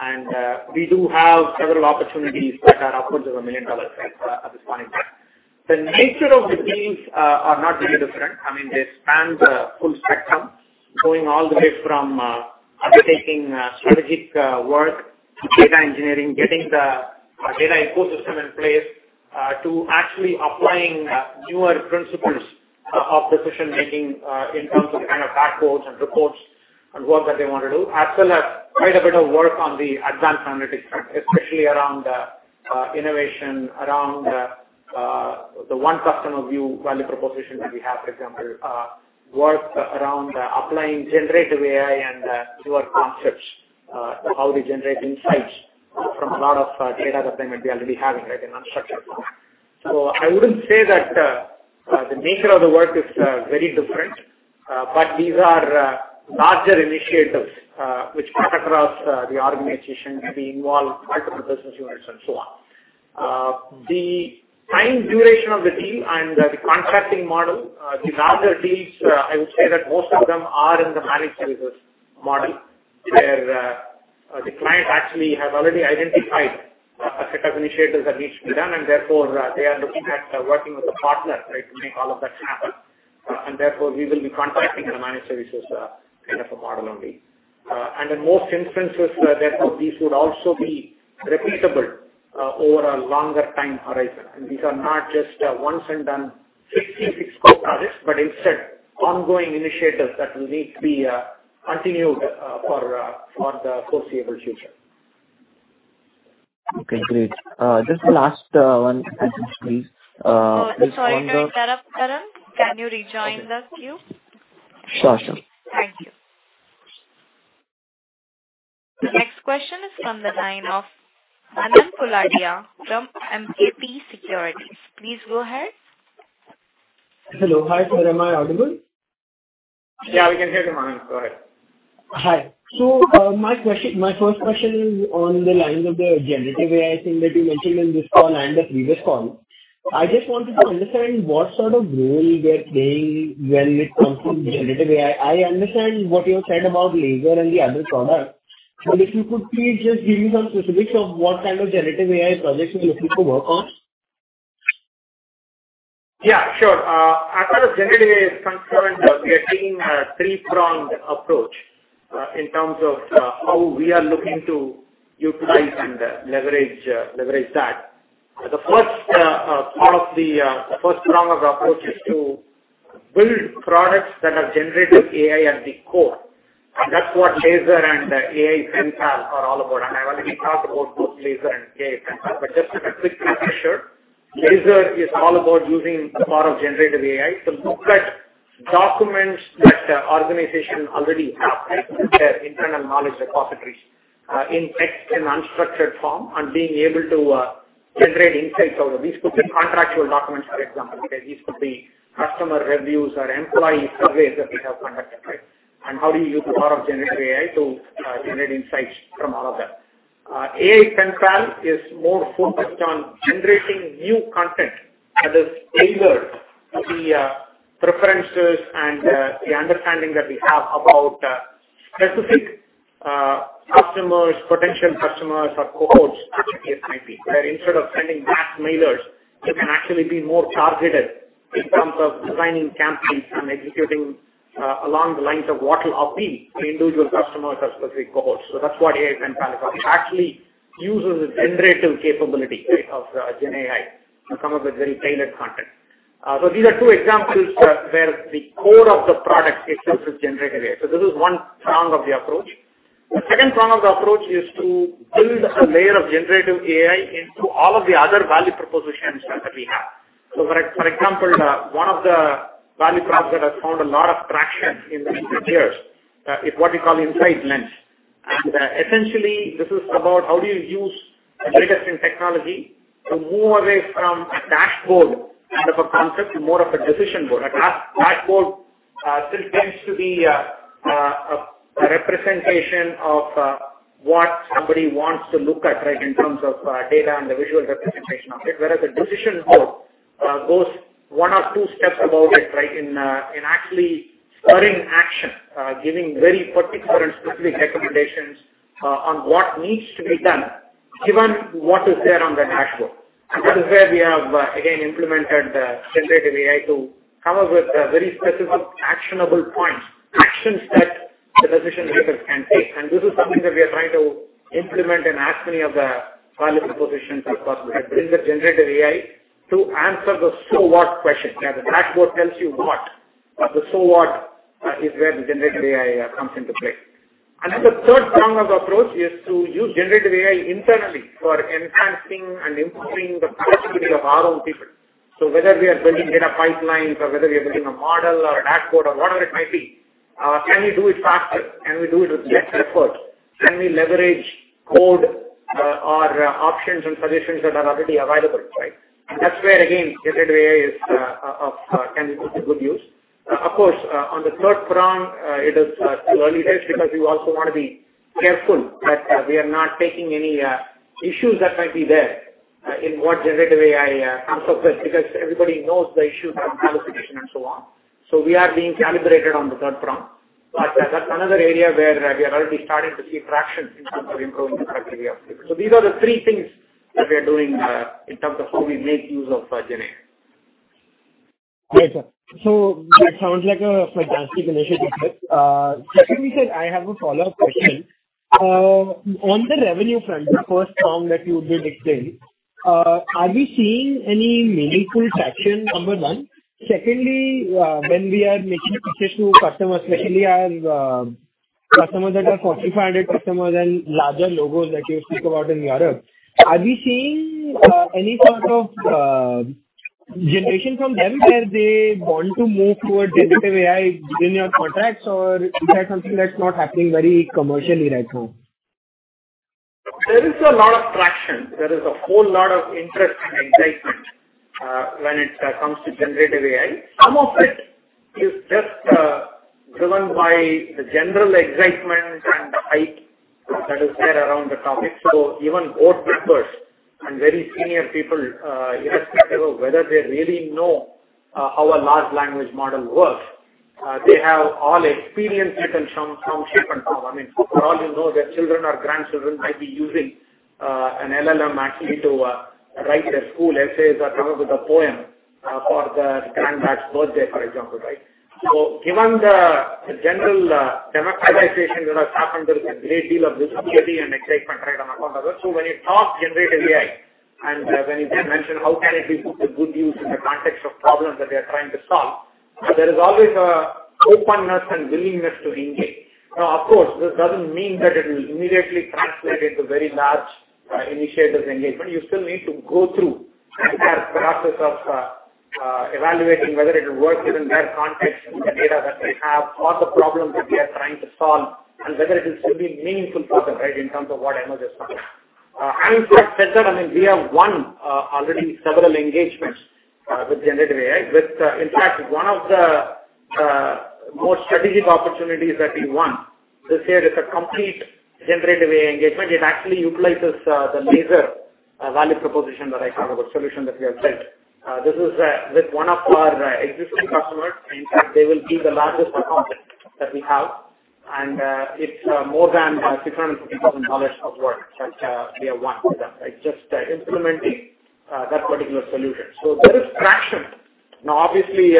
And, we do have several opportunities that are upwards of $1 million, right, at this point in time. The nature of the deals are not really different. I mean, they span the full spectrum-... All the way from undertaking strategic work to data engineering, getting the data ecosystem in place, to actually applying newer principles of decision-making in terms of the kind of dashboards and reports and work that they want to do. As well as quite a bit of work on the advanced analytics front, especially around innovation, around the One Customer View value proposition that we have. For example, work around applying generative AI and newer concepts, how we generate insights from a lot of data that they might be already having, right, in unstructured form. So I wouldn't say that the nature of the work is very different, but these are larger initiatives which cut across the organization, maybe involve multiple business units and so on. The time duration of the deal and the contracting model, the larger deals, I would say that most of them are in the managed services model, where, the client actually have already identified a set of initiatives that needs to be done, and therefore, they are looking at working with a partner, right, to make all of that happen. And therefore, we will be contracting in a managed services, kind of a model only. And in most instances, therefore, these would also be repeatable, over a longer time horizon. And these are not just a once and done fixed scope projects, but instead, ongoing initiatives that will need to be, continued, for the foreseeable future. Okay, great. Just the last one, please. Sorry to interrupt, Aram. Can you rejoin the queue? Sure. Thank you. The next question is from the line of Aman Koladia from MKP Securities. Please go ahead. Hello. Hi, sir. Am I audible? Yeah, we can hear you, Aman. Go ahead. Hi. So, my question, my first question is on the lines of the generative AI thing that you mentioned in this call and the previous call. I just wanted to understand what sort of role we are playing when it comes to generative AI. I understand what you said about LASER and the other products, but if you could please just give me some specifics of what kind of generative AI projects you're looking to work on? Yeah, sure. As far as generative AI is concerned, we are taking a three-pronged approach, in terms of, how we are looking to utilize and leverage that. The first prong of approach is to build products that are generative AI at the core, and that's what LASER and AI PenPal are all about. I have already talked about both LASER and AI PenPal, but just a quick refresher. LASER is all about using the power of generative AI to look at documents that, organization already have, like, their internal knowledge repositories, in text and unstructured form, and being able to generate insights out of them. These could be contractual documents, for example. These could be customer reviews or employee surveys that we have conducted, right? How do you use the power of generative AI to generate insights from all of that? AI PenPal is more focused on generating new content that is tailored to the preferences and the understanding that we have about specific customers, potential customers, or cohorts, as the case might be, where instead of sending mass mailers, it can actually be more targeted in terms of designing campaigns and executing along the lines of what will appeal to individual customers or specific cohorts. So that's what AI PenPal is about. It actually uses the generative capability, right, of the GenAI to come up with very tailored content. So these are two examples where the core of the product itself is generative AI. So this is one prong of the approach. The second prong of the approach is to build a layer of generative AI into all of the other value propositions that we have. So for example, one of the value props that has found a lot of traction in recent years is what we call InsightLens. And essentially, this is about how do you use the latest in technology to move away from a dashboard kind of a concept to more of a decision board. A dashboard still tends to be a representation of what somebody wants to look at, right, in terms of data and the visual representation of it. Whereas a decision board goes one or two steps about it, right, in, in actually spurring action, giving very particular and specific recommendations on what needs to be done, given what is there on the dashboard. And this is where we have, again, implemented the generative AI to come up with very specific, actionable points, action steps the decision makers can take. And this is something that we are trying to implement in as many of the value propositions as possible, right? Bring the generative AI to answer the so what question. Where the dashboard tells you what, but the so what is where the generative AI comes into play. And then the third prong of approach is to use generative AI internally for enhancing and improving the productivity of our own people. So whether we are building data pipelines or whether we are building a model or a dashboard or whatever it might be, can we do it faster? Can we do it with less effort? Can we leverage code, or options and solutions that are already available, right? And that's where, again, generative AI is, of, can be put to good use. Of course, on the third prong, it is still early days because we also want to be careful that we are not taking any issues that might be there, in what generative AI comes up with, because everybody knows the issue from hallucination and so on. So we are being calibrated on the third prong, but that's another area where we are already starting to see traction in terms of improving the productivity of people. So these are the three things that we are doing in terms of how we make use of GenAI.... Right, sir. So that sounds like a fantastic initiative. Secondly, sir, I have a follow-up question. On the revenue front, the first term that you did explain, are we seeing any meaningful traction, number one? Secondly, when we are making pitches to customers, especially as, customers that are Fortune 500 customers and larger logos that you speak about in Europe, are we seeing, any sort of, generation from them, where they want to move towards Generative AI within your contracts, or is that something that's not happening very commercially right now? There is a lot of traction. There is a whole lot of interest and excitement, when it comes to Generative AI. Some of it is just, driven by the general excitement and the hype that is there around the topic. So even board members and very senior people, irrespective of whether they really know, how a Large Language Model works, they have all experienced it in some shape and form. I mean, for all you know, their children or grandchildren might be using, an LLM actually to, write their school essays or come up with a poem, for the granddad's birthday, for example, right? So given the general, democratization that has happened, there is a great deal of visibility and excitement, right, on our part. So when you talk generative AI, and, when you then mention how can it be put to good use in the context of problems that they are trying to solve, there is always a openness and willingness to engage. Now, of course, this doesn't mean that it will immediately translate into very large, initiatives engagement. You still need to go through the entire process of, evaluating whether it will work within their context, in the data that they have, or the problem that they are trying to solve, and whether it will be meaningful for them, right, in terms of what emerges from it. And in fact, better, I mean, we have won already several engagements with generative AI. In fact, one of the more strategic opportunities that we won this year is a complete generative AI engagement. It actually utilizes the LASER value proposition that I talked about, solution that we have built. This is with one of our existing customers. In fact, they will be the largest account that we have, and it's more than $650,000 of work that we have won with them, by just implementing that particular solution. So there is traction. Now, obviously,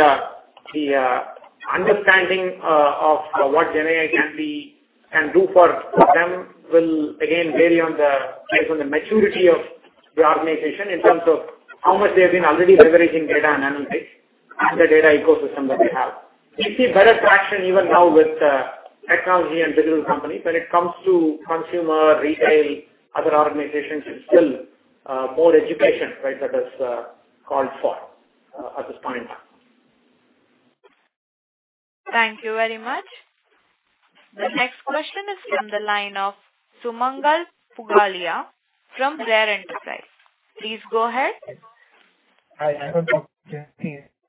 the understanding of what GenAI can be, can do for them will again vary on the based on the maturity of the organization, in terms of how much they have been already leveraging data and analytics and the data ecosystem that they have. We see better traction even now with technology and digital companies. When it comes to consumer, retail, other organizations, it's still more education, right, that is called for at this point in time. Thank you very much. The next question is from the line of Sumangal Pugalia from RaRe Enterprises. Please go ahead. Hi, I have a question.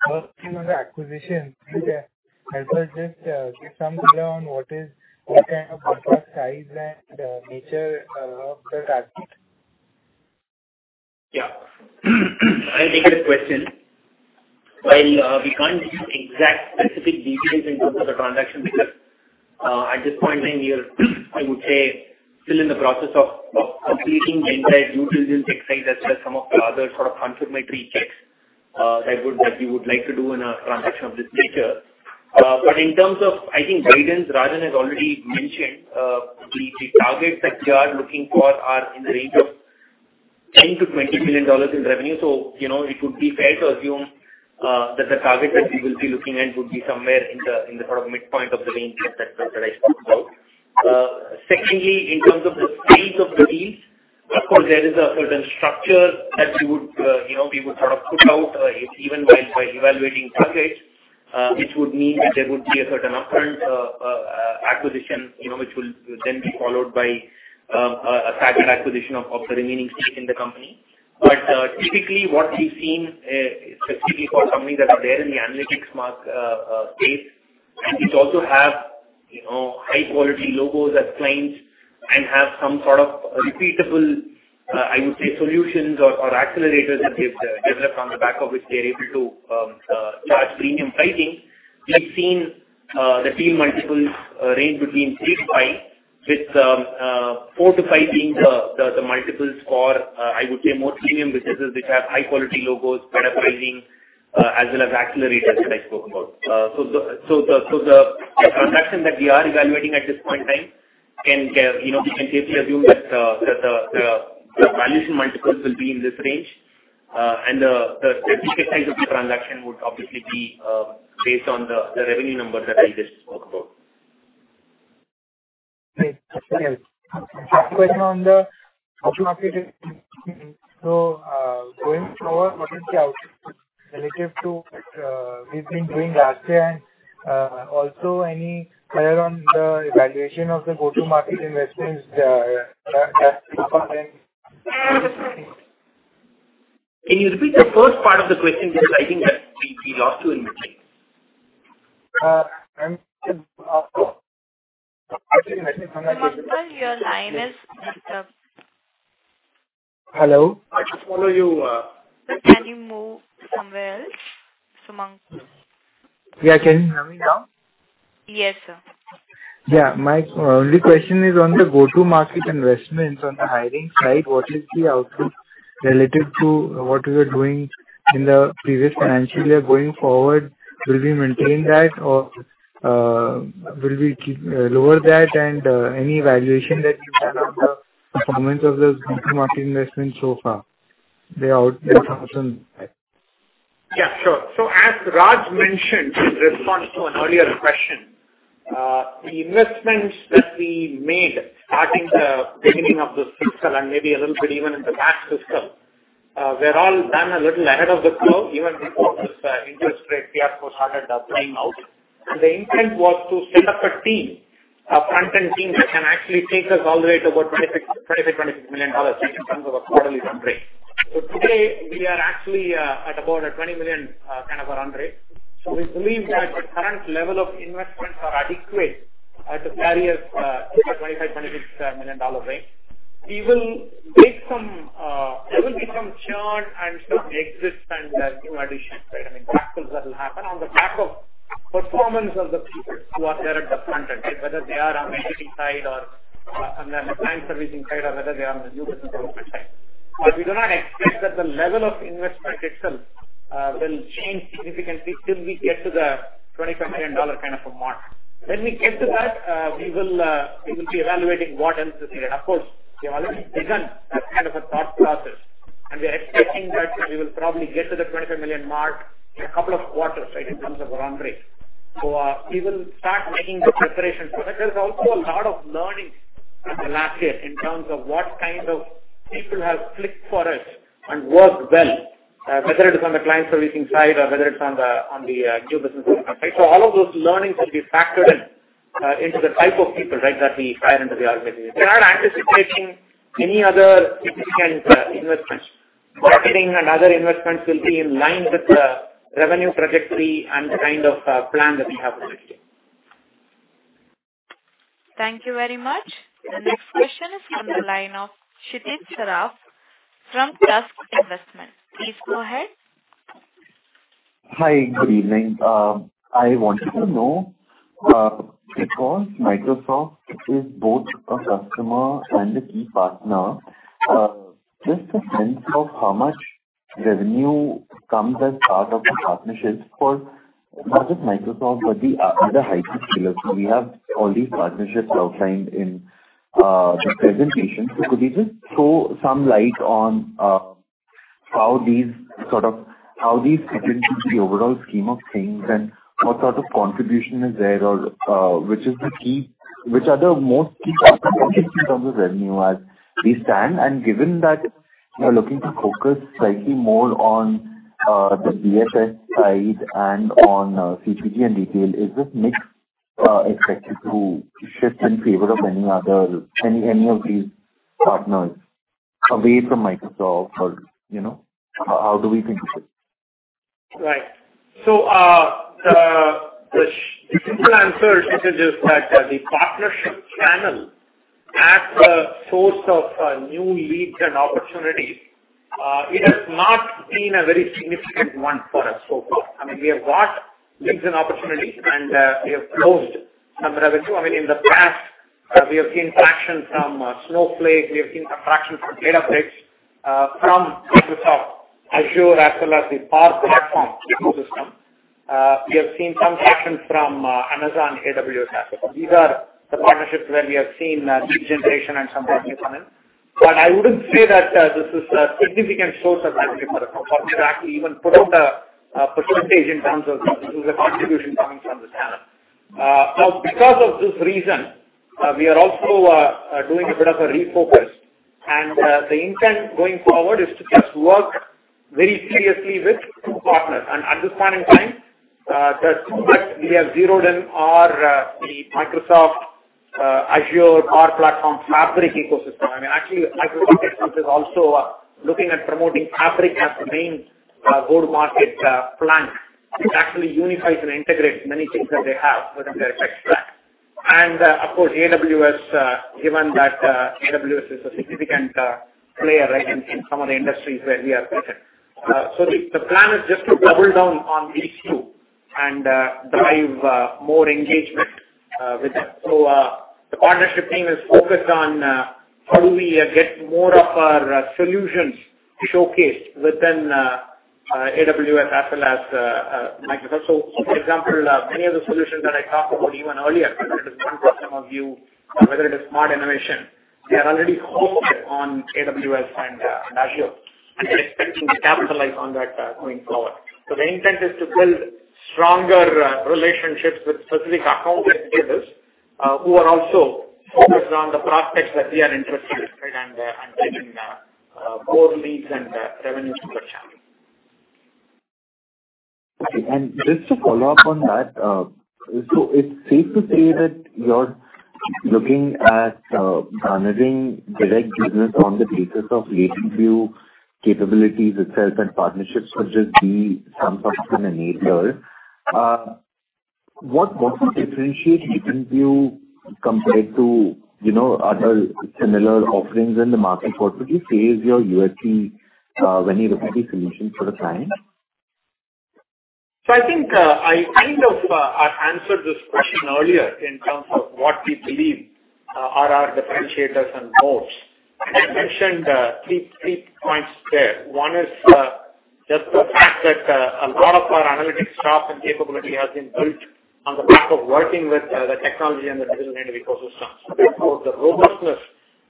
First, on the acquisition, can you help us just give some background, what kind of size and nature of the target? Yeah. I'll take this question. While we can't give exact specific details in terms of the transaction, because at this point in time we are, I would say, still in the process of completing the entire due diligence exercise, as well as some of the other sort of confirmatory checks that we would like to do in a transaction of this nature. But in terms of, I think, guidance, Rajan has already mentioned the targets that we are looking for are in the range of $10-$20 million in revenue. So, you know, it would be fair to assume that the target that we will be looking at would be somewhere in the sort of midpoint of the range that I spoke about. Secondly, in terms of the stage of the lease, of course, there is a certain structure that we would, you know, we would sort of put out, even while evaluating targets, which would mean that there would be a certain upfront acquisition, you know, which will then be followed by a second acquisition of the remaining stake in the company. But typically what we've seen, specifically for companies that are there in the analytics market space, and which also have, you know, high-quality logos as clients and have some sort of repeatable, I would say, solutions or accelerators that they've developed, on the back of which they're able to charge premium pricing. We've seen the team multiples range between three to five, with four to five being the multiples for, I would say, more premium businesses which have high-quality logos, better pricing, as well as accelerators that I spoke about. So the transaction that we are evaluating at this point in time can, you know, we can safely assume that the valuation multiples will be in this range. And the specific size of the transaction would obviously be based on the revenue number that I just spoke about. Great. Yes. Quick question on the go-to-market. So, going forward, what is the outlook relative to what we've been doing last year? And, also any color on the evaluation of the go-to-market investments that happened then? Can you repeat the first part of the question? Because I think we lost you in between. Uh, I'm... Sumangal, your line is messed up. Hello? I can follow you, Can you move somewhere else, Sumangal? Yeah. Can you hear me now? Yes, sir.... Yeah, my only question is on the go-to-market investments on the hiring side, what is the outlook related to what you were doing in the previous financial year? Going forward, will we maintain that or, will we keep, lower that? And, any valuation that you have on the performance of those go-to-market investments so far? The out- Yeah, sure. So as Raj mentioned in response to an earlier question, the investments that we made starting the beginning of this fiscal and maybe a little bit even in the last fiscal, were all done a little ahead of the curve, even before this, interest rate cycle started, playing out. And the intent was to set up a team, a front-end team, that can actually take us all the way to about $25-$26 million in terms of a quarterly run rate. So today, we are actually, at about a $20 million, kind of a run rate. So we believe that the current level of investments are adequate, to carry us, to the $25-$26 million range. We will make some, there will be some churn and some exits and, new additions, right? I mean, appraisals that will happen on the back of performance of the people who are there at the front end, right? Whether they are on the IT side or on the client servicing side, or whether they are on the new business development side. But we do not expect that the level of investment itself will change significantly till we get to the $25 million kind of a mark. When we get to that, we will be evaluating what else is needed. Of course, we have already begun that kind of a thought process, and we are expecting that we will probably get to the $25 million mark in a couple of quarters, right, in terms of our run rate. So, we will start making the preparations for that. There's also a lot of learning from the last year in terms of what kind of people have clicked for us and worked well, whether it is on the client servicing side or whether it's on the new business development side. So all of those learnings will be factored in into the type of people, right, that we hire into the organization. We are not anticipating any other significant investments. Marketing and other investments will be in line with the revenue trajectory and the kind of plan that we have for this year. Thank you very much. The next question is on the line of Kshitij Saraf from Trust Investment. Please go ahead. Hi, good evening. I wanted to know, because Microsoft is both a customer and a key partner, just a sense of how much revenue comes as part of the partnerships for not just Microsoft, but the other hyperscalers. So we have all these partnerships outlined in the presentation. So could you just throw some light on how these sort of fit into the overall scheme of things, and what sort of contribution is there or which are the most key partners in terms of revenue as we stand? And given that you're looking to focus slightly more on the BFSI side and on CPG and retail, is this mix expected to shift in favor of any of these partners away from Microsoft or, you know, how do we think of it? Right. So, the simple answer is just that, the partnership channel as a source of new leads and opportunities, it has not been a very significant one for us so far. I mean, we have got leads and opportunities, and we have closed some revenue. I mean, in the past, we have seen traction from Snowflake, we have seen some traction from Databricks, from Microsoft Azure, as well as the Power Platform ecosystem. We have seen some traction from Amazon AWS as well. These are the partnerships where we have seen lead generation and some revenue coming. But I wouldn't say that this is a significant source of revenue for us. We've actually even put out a percentage in terms of the contribution coming from this channel. Now, because of this reason, we are also doing a bit of a refocus. And the intent going forward is to just work very seriously with two partners. And at this point in time, the two that we have zeroed in are the Microsoft Azure Power Platform Fabric ecosystem. I mean, actually, Microsoft itself is also looking at promoting Fabric as the main go-to-market plan. It actually unifies and integrates many things that they have within their tech stack. And of course, AWS, given that AWS is a significant player, right, in some of the industries where we are present. So the plan is just to double down on these two and drive more engagement with them. So, the partnership team is focused on how do we get more of our solutions to showcase within AWS as well as Microsoft. So, for example, many of the solutions that I talked about even earlier, whether it is One Customer View or whether it is Smart Innovation, they are already hosted on AWS and and Azure. We are expecting to capitalize on that, going forward. So the intent is to build stronger relationships with specific account executives who are also focused on the prospects that we are interested in, right, and and getting more leads and revenue through that channel. Just to follow up on that, so it's safe to say that you're looking at garnering direct business on the basis of LatentView capabilities itself and partnerships will just be some sort of an enabler. What, what's the differentiation between you compared to, you know, other similar offerings in the market? What would you say is your USP, when you look at the solution for the client?... So I think, I kind of, I answered this question earlier in terms of what we believe are our differentiators and moats. I mentioned three points there. One is just the fact that a lot of our analytics staff and capability has been built on the back of working with the technology and the digital ecosystem. So therefore, the robustness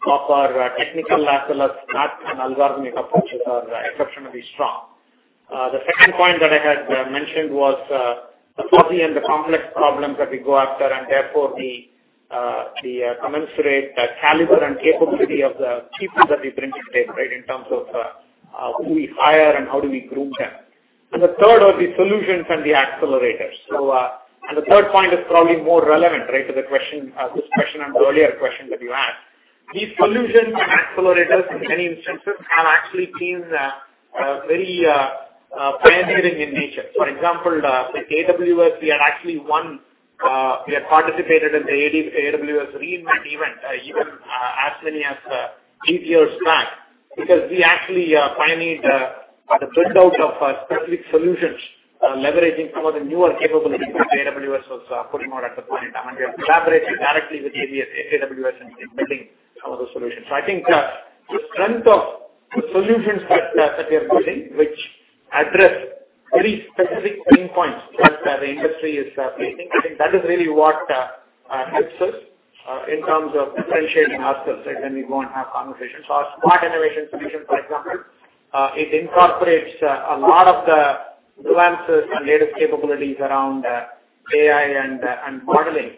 of our technical as well as math and algorithmic approaches are exceptionally strong. The second point that I had mentioned was the fuzzy and the complex problems that we go after, and therefore the commensurate caliber and capability of the people that we bring in today, right? In terms of who we hire and how do we group them. And the third are the solutions and the accelerators. And the third point is probably more relevant, right, to the question, this question and the earlier question that you asked. These solutions and accelerators, in many instances, have actually been very pioneering in nature. For example, like AWS, we had actually won, we had participated in the AWS re:Invent event, even as many as three years back. Because we actually pioneered the build-out of specific solutions leveraging some of the newer capabilities that AWS was putting out at that point, and we have collaborated directly with AWS in building some of those solutions. So I think, the strength of the solutions that we are building, which address very specific pain points that the industry is facing, I think that is really what helps us in terms of differentiating ourselves, right? Then we go and have conversations. So our Smart Innovation solution, for example, it incorporates a lot of the advances and latest capabilities around AI and modeling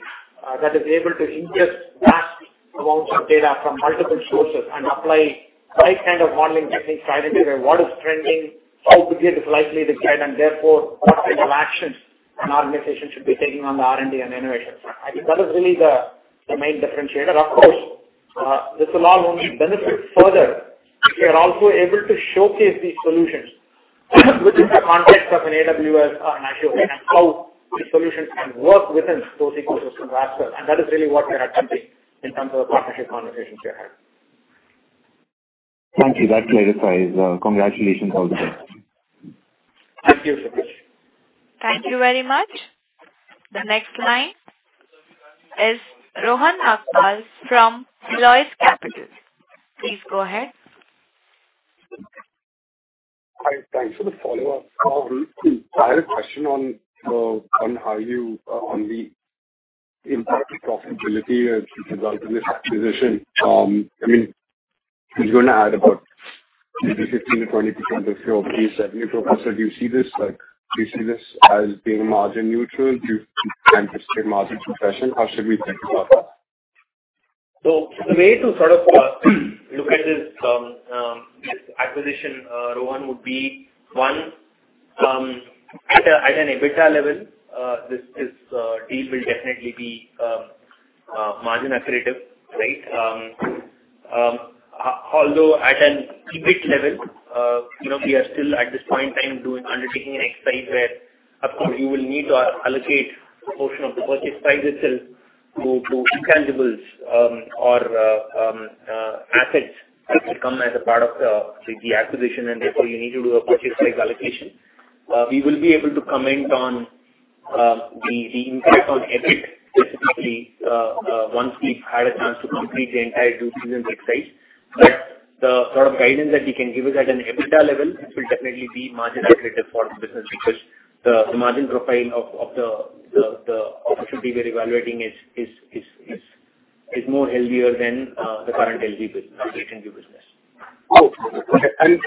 that is able to ingest vast amounts of data from multiple sources and apply right kind of modeling techniques to identify what is trending, how quickly it is likely to trend, and therefore, what kind of actions an organization should be taking on the R&D and innovation. I think that is really the main differentiator. Of course, this will all only benefit further. We are also able to showcase these solutions within the context of an AWS or an Azure, and how the solutions can work within those ecosystems as well, and that is really what we are attempting in terms of the partnership conversations we are having. Thank you. That clarifies. Congratulations also. Thank you so much. Thank you very much. The next line is Rohan Nagpal from Helios Capital. Please go ahead. Hi, thanks for the follow-up. I had a question on the impact to profitability as a result of this acquisition. I mean, you're going to add about maybe 15%-20% of your pre-segment. So do you see this like... Do you see this as being margin neutral due to anticipated margin compression? How should we think about that? So the way to sort of look at this acquisition, Rohan, would be, one, at an EBITDA level, this deal will definitely be margin accretive, right? Although at an EBIT level, you know, we are still at this point in time undertaking an exercise where, of course, you will need to allocate a portion of the purchase price itself to intangibles or assets that come as a part of the acquisition, and therefore, you need to do a purchase price allocation. We will be able to comment on the impact on EBIT, specifically, once we've had a chance to complete the entire due diligence exercise. But the sort of guidance that we can give is at an EBITDA level, it will definitely be margin accretive for the business, because the margin profile of the opportunity we're evaluating is more healthier than the current LV business, LGU business. Oh, okay. And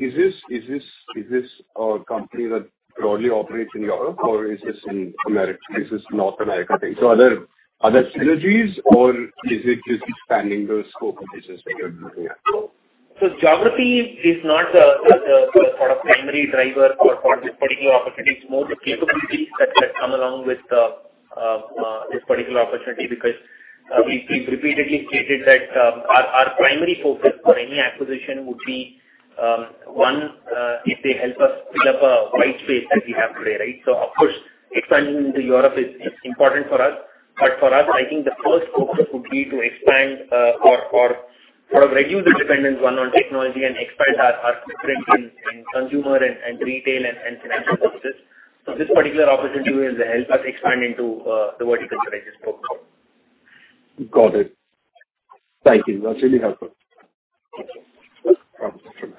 is this a company that broadly operates in Europe, or is this in America? Is this North America-based? So are there other synergies, or is it just expanding the scope of business that you're doing now? So geography is not the sort of primary driver for this particular opportunity. It's more the capabilities that come along with this particular opportunity. Because we've repeatedly stated that our primary focus for any acquisition would be one, if they help us fill up a white space that we have today, right? So of course, expanding into Europe is important for us, but for us, I think the first focus would be to expand or sort of reduce the dependence one on technology and expand our footprint in consumer and retail and financial services. So this particular opportunity will help us expand into the verticals that I just spoke about. Got it. Thank you. That's really helpful. Thank you.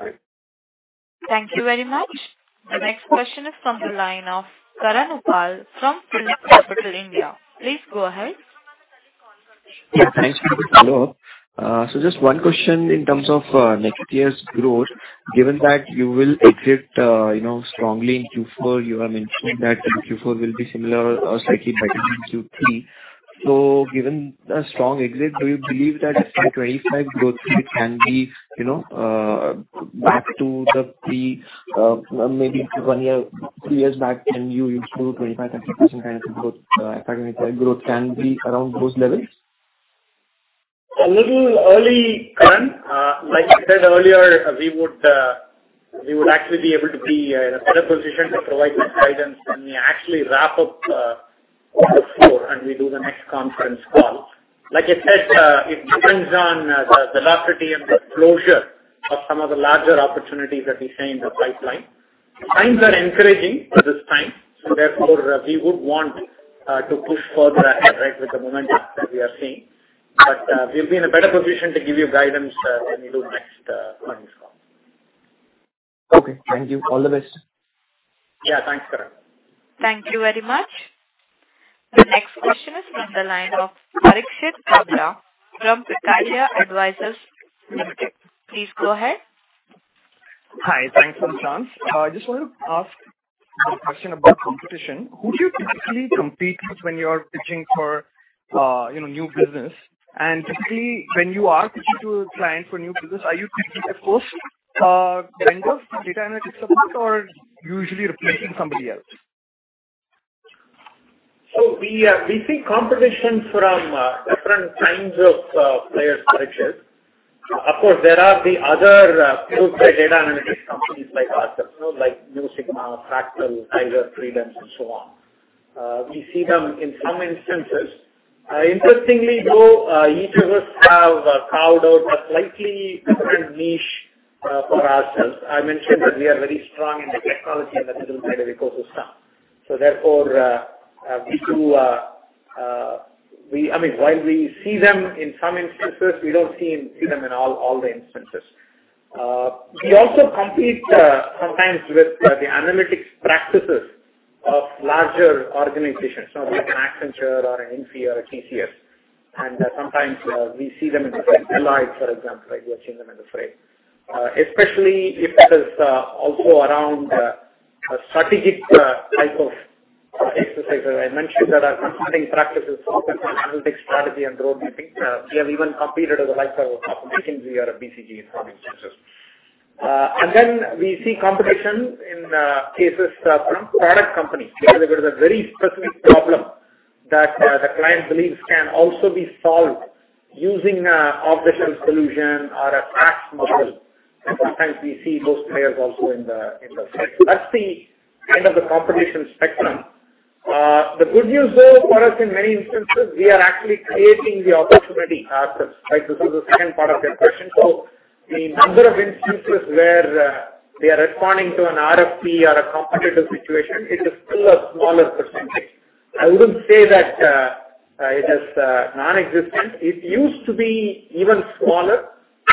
Thank you very much. The next question is from the line of Karan Uppal from PhillipCapital India. Please go ahead. Yeah, thanks. Hello. So just one question in terms of next year's growth. Given that you will exit, you know, strongly in Q4, you have mentioned that Q4 will be similar or slightly better than Q3. So given the strong exit, do you believe that FY 2025 growth rate can be, you know, back to the pre, maybe one year, two years back, can you reach 25%-30% kind of growth, growth can be around those levels? A little early, Karan. Like I said earlier, we would actually be able to be in a better position to provide more guidance when we actually wrap up Q4 and we do the next conference call. Like I said, it depends on the velocity and the closure of some of the larger opportunities that we see in the pipeline. Signs are encouraging at this time, so therefore, we would want to push further ahead, right, with the momentum that we are seeing. But, we'll be in a better position to give you guidance when we do next earnings call. Okay, thank you. All the best. Yeah, thanks, Karan. Thank you very much. The next question is from the line of Arixit Kadra from Kotak Advisors Limited. Please go ahead. Hi, thanks for the chance. I just want to ask a question about competition. Who do you typically compete with when you are pitching for, you know, new business? And typically, when you are pitching to a client for new business, are you typically, of course, vendor for data analytics support or usually replacing somebody else? So we see competition from different kinds of players, Arixit. Of course, there are the other pure play data analytics companies like us, you know, like Mu Sigma, Fractal, Cyient, Tredence, and so on. We see them in some instances. Interestingly, though, each of us have carved out a slightly different niche for ourselves. I mentioned that we are very strong in the technology and the middle-market ecosystem. So therefore, I mean, while we see them in some instances, we don't see them in all, all the instances. We also compete sometimes with the analytics practices of larger organizations, like an Accenture or an Infy or a TCS. And sometimes we see them in the frame. Deloitte, for example, like we have seen them in the frame. Especially if it is also around a strategic type of exercise. I mentioned there are consulting practices for analytics, strategy, and road mapping. We have even competed with the likes of companies like BCG and consulting centers. Then we see competition in cases from product companies, where there is a very specific problem that the client believes can also be solved using operational solution or a SaaS model. Sometimes we see those players also in the space. So that's the kind of competition spectrum. The good news, though, for us, in many instances, we are actually creating the opportunity ourselves, right? This is the second part of your question. So the number of instances where we are responding to an RFP or a competitive situation, it is still a smaller percentage. I wouldn't say that it is nonexistent. It used to be even smaller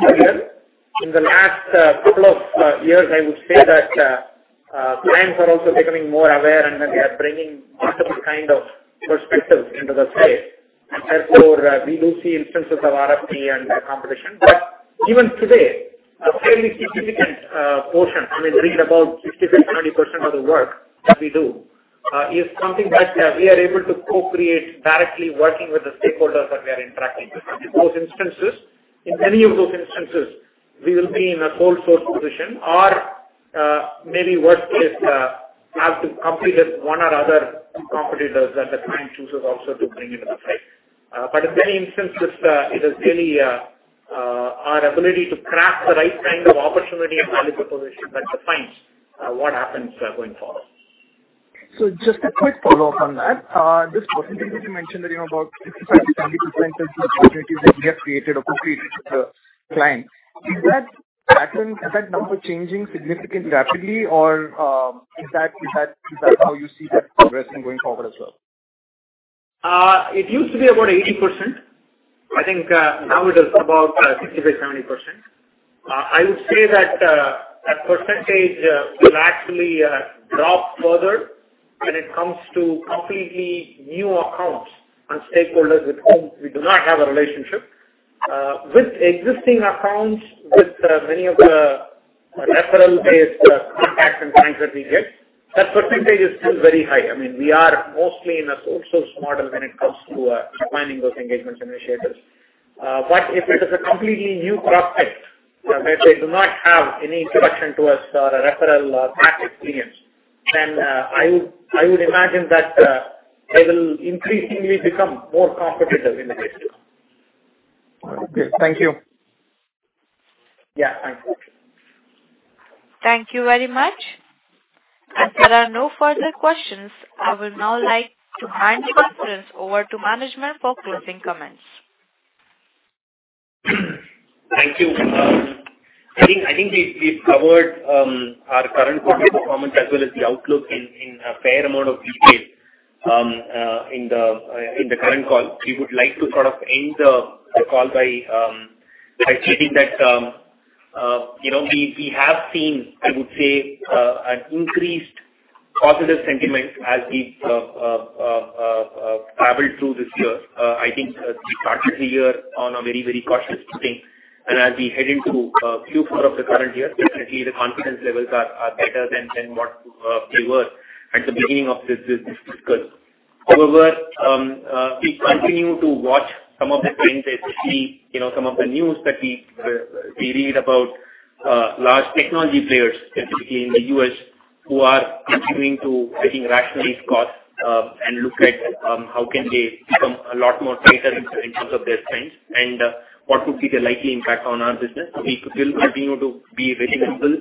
earlier. In the last couple of years, I would say that clients are also becoming more aware, and they are bringing multiple kind of perspectives into the space. Therefore, we do see instances of RFP and competition. But even today, a fairly significant portion, I mean, running about 65%-70% of the work that we do, is something that we are able to co-create directly working with the stakeholders that we are interacting with. In those instances, in many of those instances, we will be in a sole source position or, maybe worst case, have to compete with one or other competitors that the client chooses also to bring into the site. But in many instances, it is really, our ability to craft the right kind of opportunity and value proposition that defines, what happens, going forward. So just a quick follow-up on that. This percentage you mentioned that, you know, about 65%-70% of the opportunities that get created or co-created with the client. Is that pattern, is that number changing significantly, rapidly, or, is that, is that, is that how you see that progressing going forward as well? It used to be about 80%. I think now it is about 65%-70%. I would say that that percentage will actually drop further when it comes to completely new accounts and stakeholders with whom we do not have a relationship. With existing accounts, with many of the referral-based contacts and clients that we get, that percentage is still very high. I mean, we are mostly in a sole source model when it comes to planning those engagements initiatives. But if it is a completely new prospect, where they do not have any introduction to us or a referral or past experience, then I would imagine that they will increasingly become more competitive in the business. Great. Thank you. Yeah, thanks. Thank you very much. As there are no further questions, I would now like to hand the conference over to management for closing comments. Thank you. I think, I think we, we've covered our current performance as well as the outlook in, in a fair amount of detail, in the current call. We would like to sort of end the call by achieving that, you know, we, we have seen, I would say, an increased positive sentiment as we traveled through this year. I think we started the year on a very, very cautious footing, and as we head into Q4 of the current year, definitely the confidence levels are, are better than what they were at the beginning of this discussion. However, we continue to watch some of the trends that we see, you know, some of the news that we, we read about, large technology players, specifically in the U.S., who are continuing to, I think, rationalize costs, and look at, how can they become a lot more tighter in terms of their trends and, what would be the likely impact on our business. We will continue to be reasonable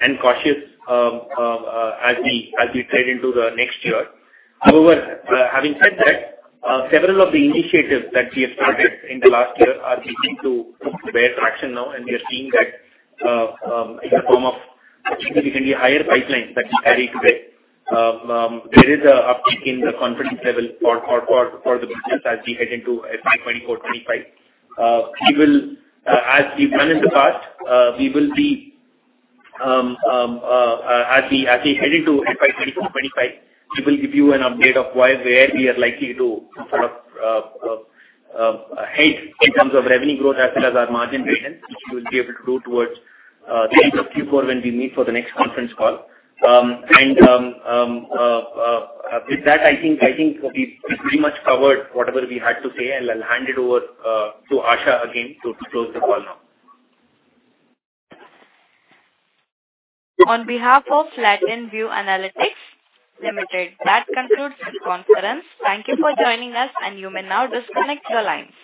and cautious, as we, as we head into the next year. However, having said that, several of the initiatives that we have started in the last year are beginning to bear traction now, and we are seeing that, in the form of a significantly higher pipeline that we carry today. There is a uptick in the confidence level for the business as we head into FY 2024, 2025. We will, as we've done in the past, we will be, as we head into FY 2024, 2025, we will give you an update of why, where we are likely to sort of head in terms of revenue growth as well as our margin expectations, which we'll be able to do towards the end of Q4 when we meet for the next conference call. And, with that, I think we've pretty much covered whatever we had to say, and I'll hand it over to Asha again to close the call now. On behalf of Latent View Analytics Limited, that concludes this conference. Thank you for joining us, and you may now disconnect your lines.